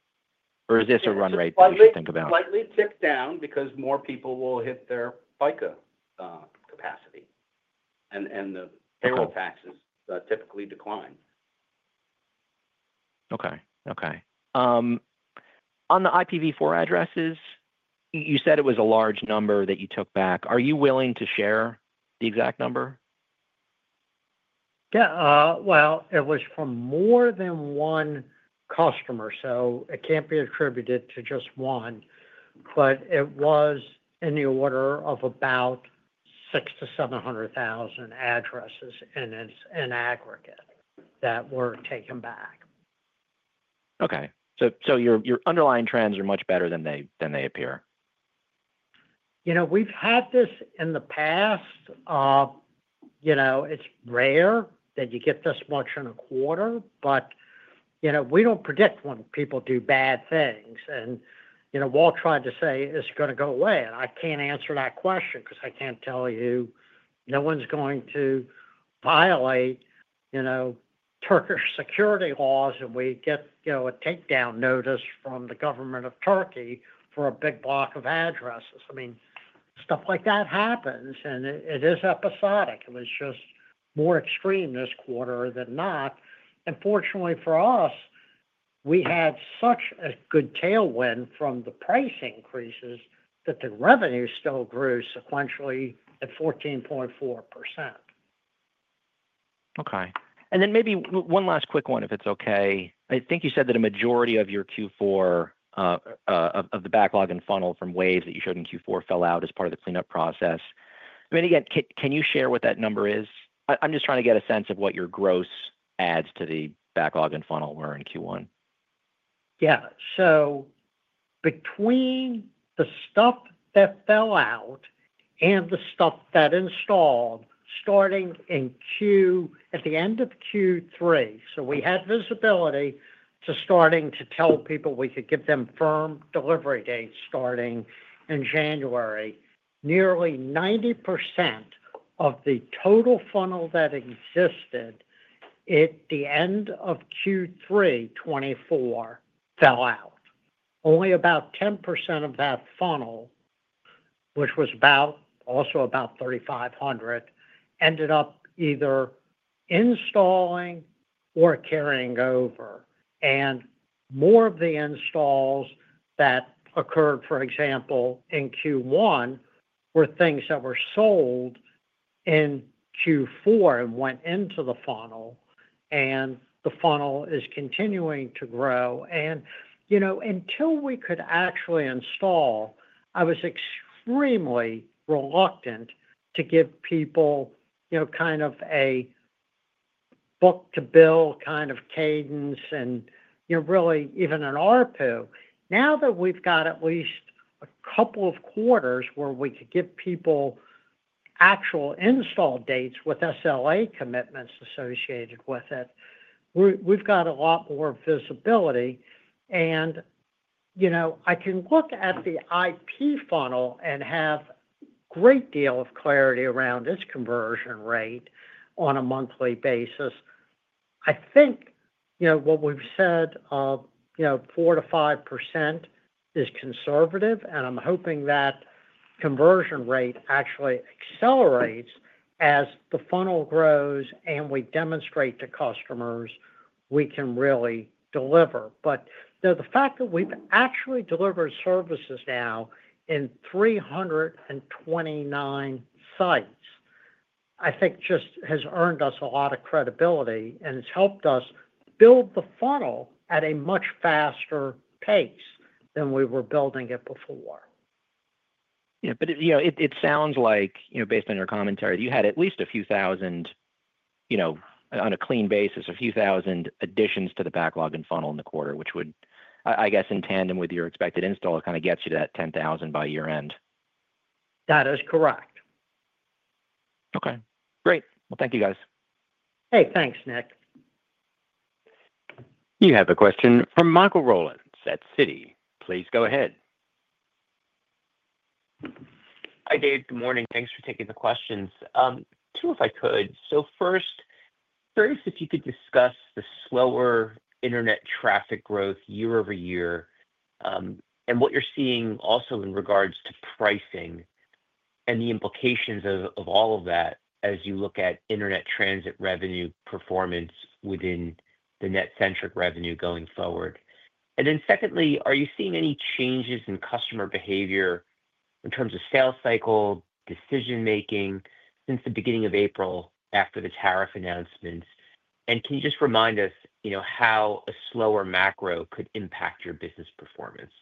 Or is this a run rate you just think about? Slightly tick down because more people will hit their FICA capacity, and the payroll taxes typically decline. Okay. Okay. On the IPv4 addresses, you said it was a large number that you took back. Are you willing to share the exact number? Yeah. It was from more than one customer, so it can't be attributed to just one, but it was in the order of about 600,000-700,000 addresses in aggregate that were taken back. Okay. So your underlying trends are much better than they appear. We've had this in the past. It's rare that you get this much in a quarter, but we don't predict when people do bad things. Wal tried to say it's going to go away, and I can't answer that question because I can't tell you no one's going to violate Turkish security laws and we get a takedown notice from the government of Turkey for a big block of addresses. I mean, stuff like that happens, and it is episodic. It was just more extreme this quarter than not. Fortunately for us, we had such a good tailwind from the price increases that the revenue still grew sequentially at 14.4%. Okay. And then maybe one last quick one, if it's okay. I think you said that a majority of your Q4 of the backlog and funnel from waves that you showed in Q4 fell out as part of the cleanup process. I mean, again, can you share what that number is? I'm just trying to get a sense of what your gross adds to the backlog and funnel were in Q1. Yeah. Between the stuff that fell out and the stuff that installed starting at the end of Q3, we had visibility to starting to tell people we could give them firm delivery dates starting in January. Nearly 90% of the total funnel that existed at the end of Q3 2024 fell out. Only about 10% of that funnel, which was also about 3,500, ended up either installing or carrying over. More of the installs that occurred, for example, in Q1 were things that were sold in Q4 and went into the funnel, and the funnel is continuing to grow. Until we could actually install, I was extremely reluctant to give people kind of a book-to-bill kind of cadence and really even an ARPU. Now that we've got at least a couple of quarters where we could give people actual install dates with SLA commitments associated with it, we've got a lot more visibility. I can look at the IP funnel and have a great deal of clarity around its conversion rate on a monthly basis. I think what we've said, 4%-5% is conservative, and I'm hoping that conversion rate actually accelerates as the funnel grows and we demonstrate to customers we can really deliver. The fact that we've actually delivered services now in 329 sites, I think just has earned us a lot of credibility and has helped us build the funnel at a much faster pace than we were building it before. Yeah. It sounds like, based on your commentary, that you had at least a few thousand on a clean basis, a few thousand additions to the backlog and funnel in the quarter, which would, I guess, in tandem with your expected install, kind of get you to that 10,000 by year-end. That is correct. Okay. Great. Thank you, guys. Hey, thanks, Nick. You have a question from Michael Roland at Citi. Please go ahead. Hi, Dave. Good morning. Thanks for taking the questions. Two if I could. First, curious if you could discuss the slower internet traffic growth year over year and what you're seeing also in regards to pricing and the implications of all of that as you look at internet transit revenue performance within the net-centric revenue going forward. Secondly, are you seeing any changes in customer behavior in terms of sales cycle, decision-making since the beginning of April after the tariff announcements? Can you just remind us how a slower macro could impact your business performance?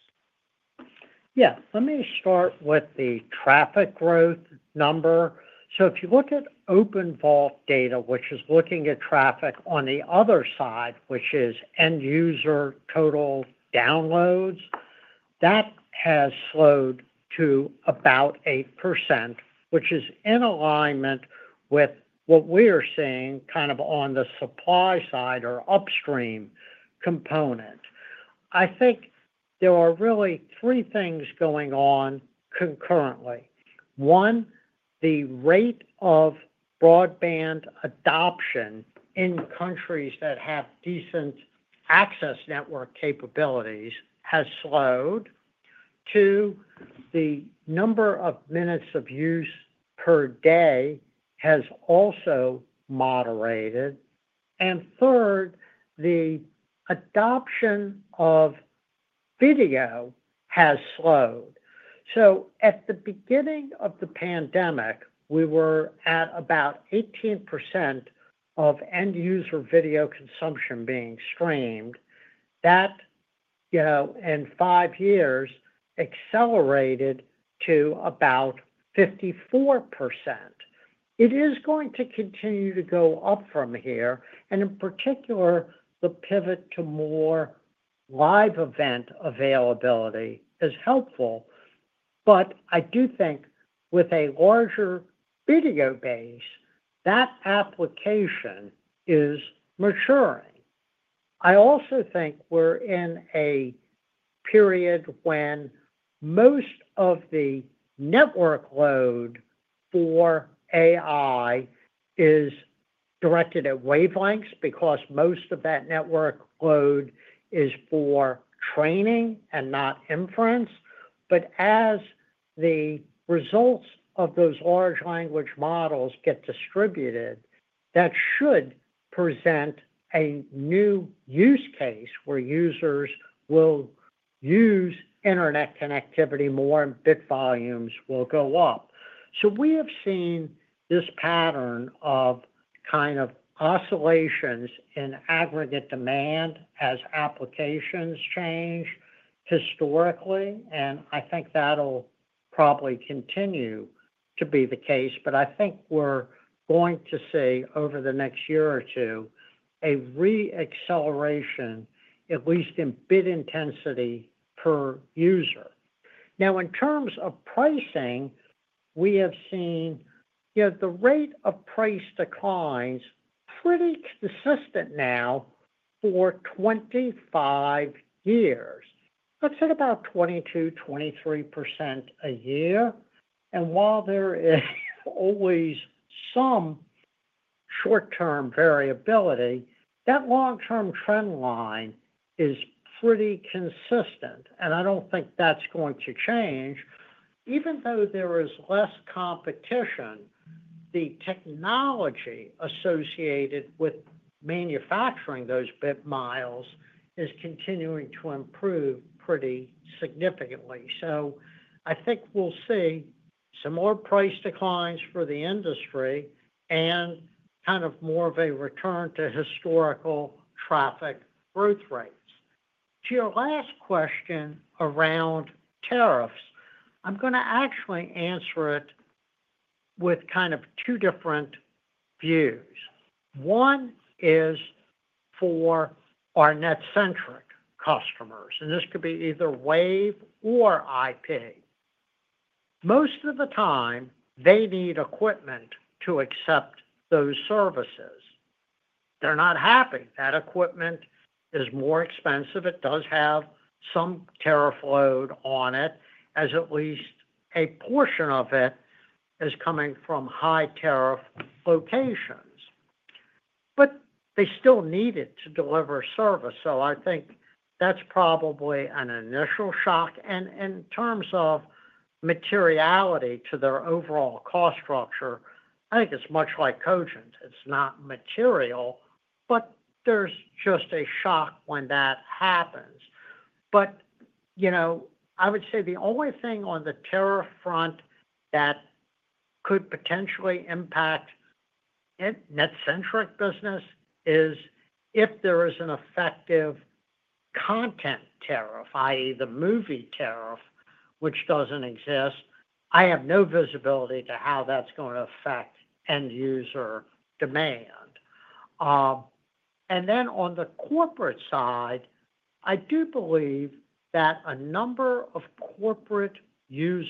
Yeah. Let me start with the traffic growth number. If you look at OpenVault data, which is looking at traffic on the other side, which is end-user total downloads, that has slowed to about 8%, which is in alignment with what we are seeing kind of on the supply side or upstream component. I think there are really three things going on concurrently. One, the rate of broadband adoption in countries that have decent access network capabilities has slowed. Two, the number of minutes of use per day has also moderated. Third, the adoption of video has slowed. At the beginning of the pandemic, we were at about 18% of end-user video consumption being streamed. That in five years accelerated to about 54%. It is going to continue to go up from here. In particular, the pivot to more live event availability is helpful. But I do think with a larger video base, that application is maturing. I also think we're in a period when most of the network load for AI is directed at wavelengths because most of that network load is for training and not inference. As the results of those large language models get distributed, that should present a new use case where users will use internet connectivity more and bit volumes will go up. We have seen this pattern of kind of oscillations in aggregate demand as applications change historically. I think that'll probably continue to be the case. I think we're going to see over the next year or two a re-acceleration, at least in bit intensity per user. Now, in terms of pricing, we have seen the rate of price declines pretty consistent now for 25 years. That's at about 22-23% a year. While there is always some short-term variability, that long-term trend line is pretty consistent. I don't think that's going to change. Even though there is less competition, the technology associated with manufacturing those bit miles is continuing to improve pretty significantly. I think we'll see some more price declines for the industry and kind of more of a return to historical traffic growth rates. To your last question around tariffs, I'm going to actually answer it with kind of two different views. One is for our net-centric customers. This could be either Wave or IP. Most of the time, they need equipment to accept those services. They're not happy. That equipment is more expensive. It does have some tariff load on it, as at least a portion of it is coming from high tariff locations. They still need it to deliver service. I think that's probably an initial shock. In terms of materiality to their overall cost structure, I think it's much like Cogent. It's not material, but there's just a shock when that happens. I would say the only thing on the tariff front that could potentially impact net-centric business is if there is an effective content tariff, i.e., the movie tariff, which doesn't exist. I have no visibility to how that's going to affect end-user demand. On the corporate side, I do believe that a number of corporate users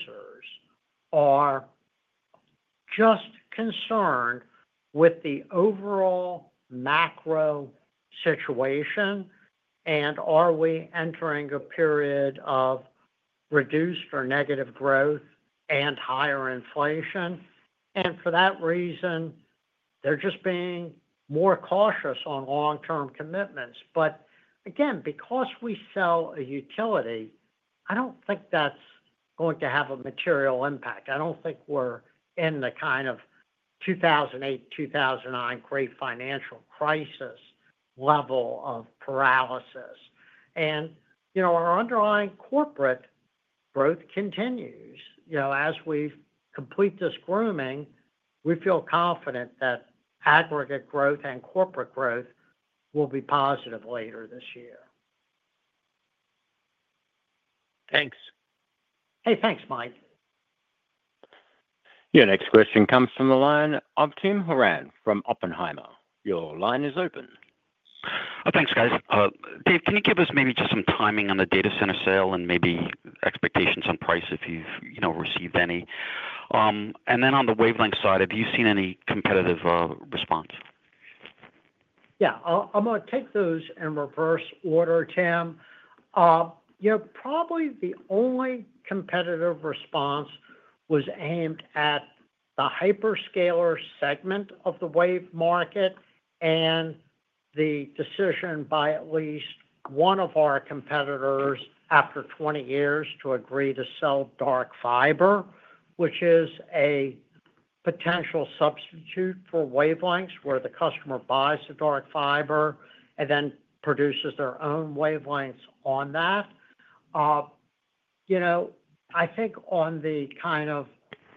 are just concerned with the overall macro situation. Are we entering a period of reduced or negative growth and higher inflation? For that reason, they're just being more cautious on long-term commitments. Again, because we sell a utility, I do not think that is going to have a material impact. I do not think we are in the kind of 2008, 2009 great financial crisis level of paralysis. Our underlying corporate growth continues. As we complete this grooming, we feel confident that aggregate growth and corporate growth will be positive later this year. Thanks. Hey, thanks, Mike. Your next question comes from the line of Tim Horan from Oppenheimer. Your line is open. Thanks, guys. Dave, can you give us maybe just some timing on the data center sale and maybe expectations on price if you've received any? On the wavelength side, have you seen any competitive response? Yeah. I'm going to take those in reverse order, Tim. Probably the only competitive response was aimed at the hyperscaler segment of the wave market and the decision by at least one of our competitors after 20 years to agree to sell dark fiber, which is a potential substitute for wavelengths where the customer buys the dark fiber and then produces their own wavelengths on that. I think on the kind of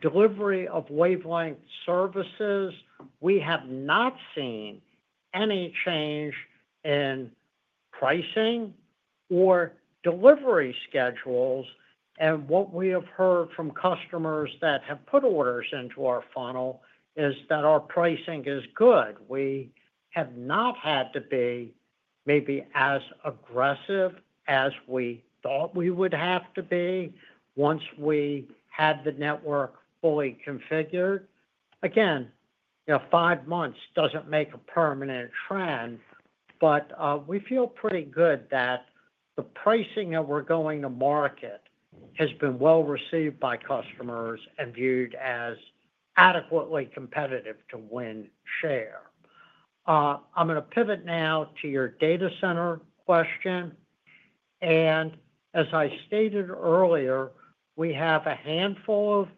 delivery of wavelength services, we have not seen any change in pricing or delivery schedules. What we have heard from customers that have put orders into our funnel is that our pricing is good. We have not had to be maybe as aggressive as we thought we would have to be once we had the network fully configured. Again, five months doesn't make a permanent trend, but we feel pretty good that the pricing that we're going to market has been well received by customers and viewed as adequately competitive to win share. I'm going to pivot now to your data center question. As I stated earlier, we have a handful of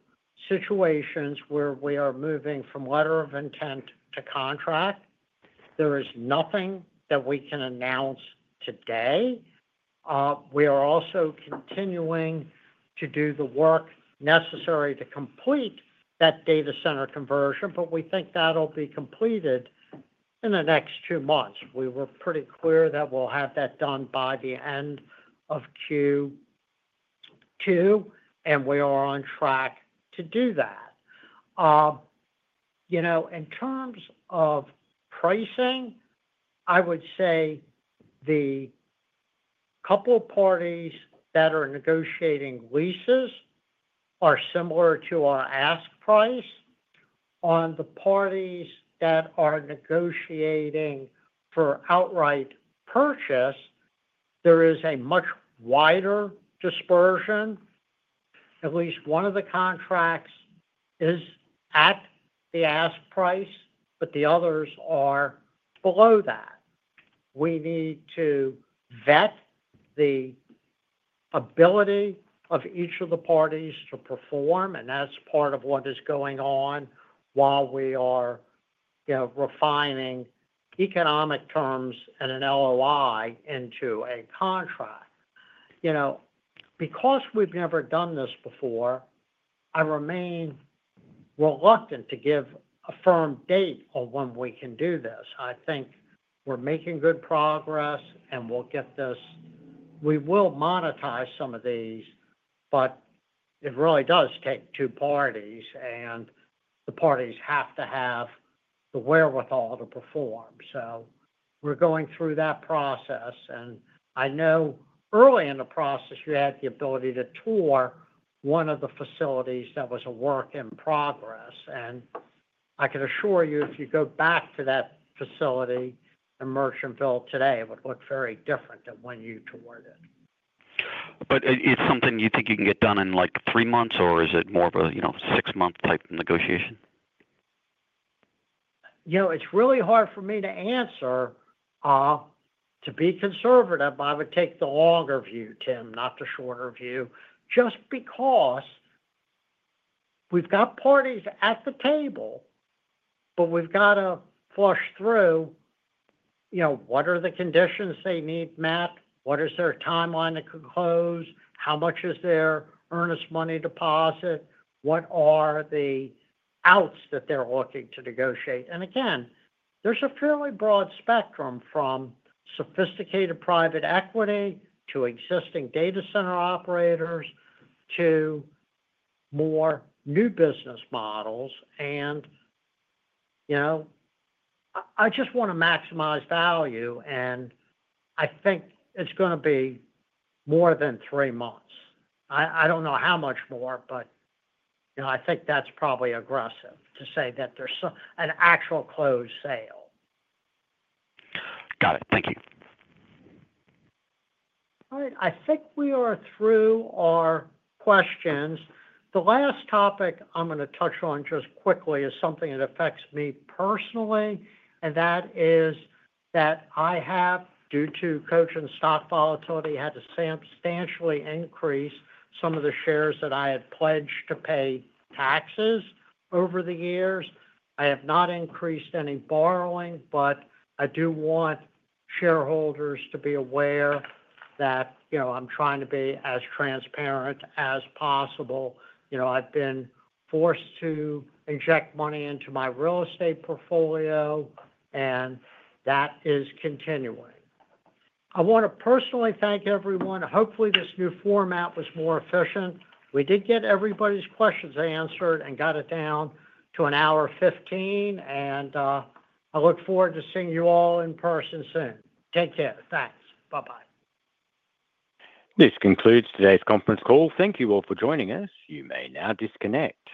situations where we are moving from letter of intent to contract. There is nothing that we can announce today. We are also continuing to do the work necessary to complete that data center conversion, but we think that'll be completed in the next two months. We were pretty clear that we'll have that done by the end of Q2, and we are on track to do that. In terms of pricing, I would say the couple parties that are negotiating leases are similar to our ask price. On the parties that are negotiating for outright purchase, there is a much wider dispersion. At least one of the contracts is at the ask price, but the others are below that. We need to vet the ability of each of the parties to perform, and that is part of what is going on while we are refining economic terms and an LOI into a contract. Because we have never done this before, I remain reluctant to give a firm date on when we can do this. I think we are making good progress, and we will get this. We will monetize some of these, but it really does take two parties, and the parties have to have the wherewithal to perform. We are going through that process. I know early in the process, you had the ability to tour one of the facilities that was a work in progress. I can assure you, if you go back to that facility in Merchantville today, it would look very different than when you toured it. Is it something you think you can get done in like three months, or is it more of a six-month type of negotiation? It's really hard for me to answer. To be conservative, I would take the longer view, Tim, not the shorter view, just because we've got parties at the table, but we've got to flush through what are the conditions they need, Matt? What is their timeline to close? How much is their earnest money deposit? What are the outs that they're looking to negotiate? There's a fairly broad spectrum from sophisticated private equity to existing data center operators to more new business models. I just want to maximize value, and I think it's going to be more than three months. I don't know how much more, but I think that's probably aggressive to say that there's an actual closed sale. Got it. Thank you. All right. I think we are through our questions. The last topic I'm going to touch on just quickly is something that affects me personally, and that is that I have, due to Cogent's stock volatility, had to substantially increase some of the shares that I had pledged to pay taxes over the years. I have not increased any borrowing, but I do want shareholders to be aware that I'm trying to be as transparent as possible. I've been forced to inject money into my real estate portfolio, and that is continuing. I want to personally thank everyone. Hopefully, this new format was more efficient. We did get everybody's questions answered and got it down to an hour 15, and I look forward to seeing you all in person soon. Take care. Thanks. Bye-bye. This concludes today's conference call. Thank you all for joining us. You may now disconnect.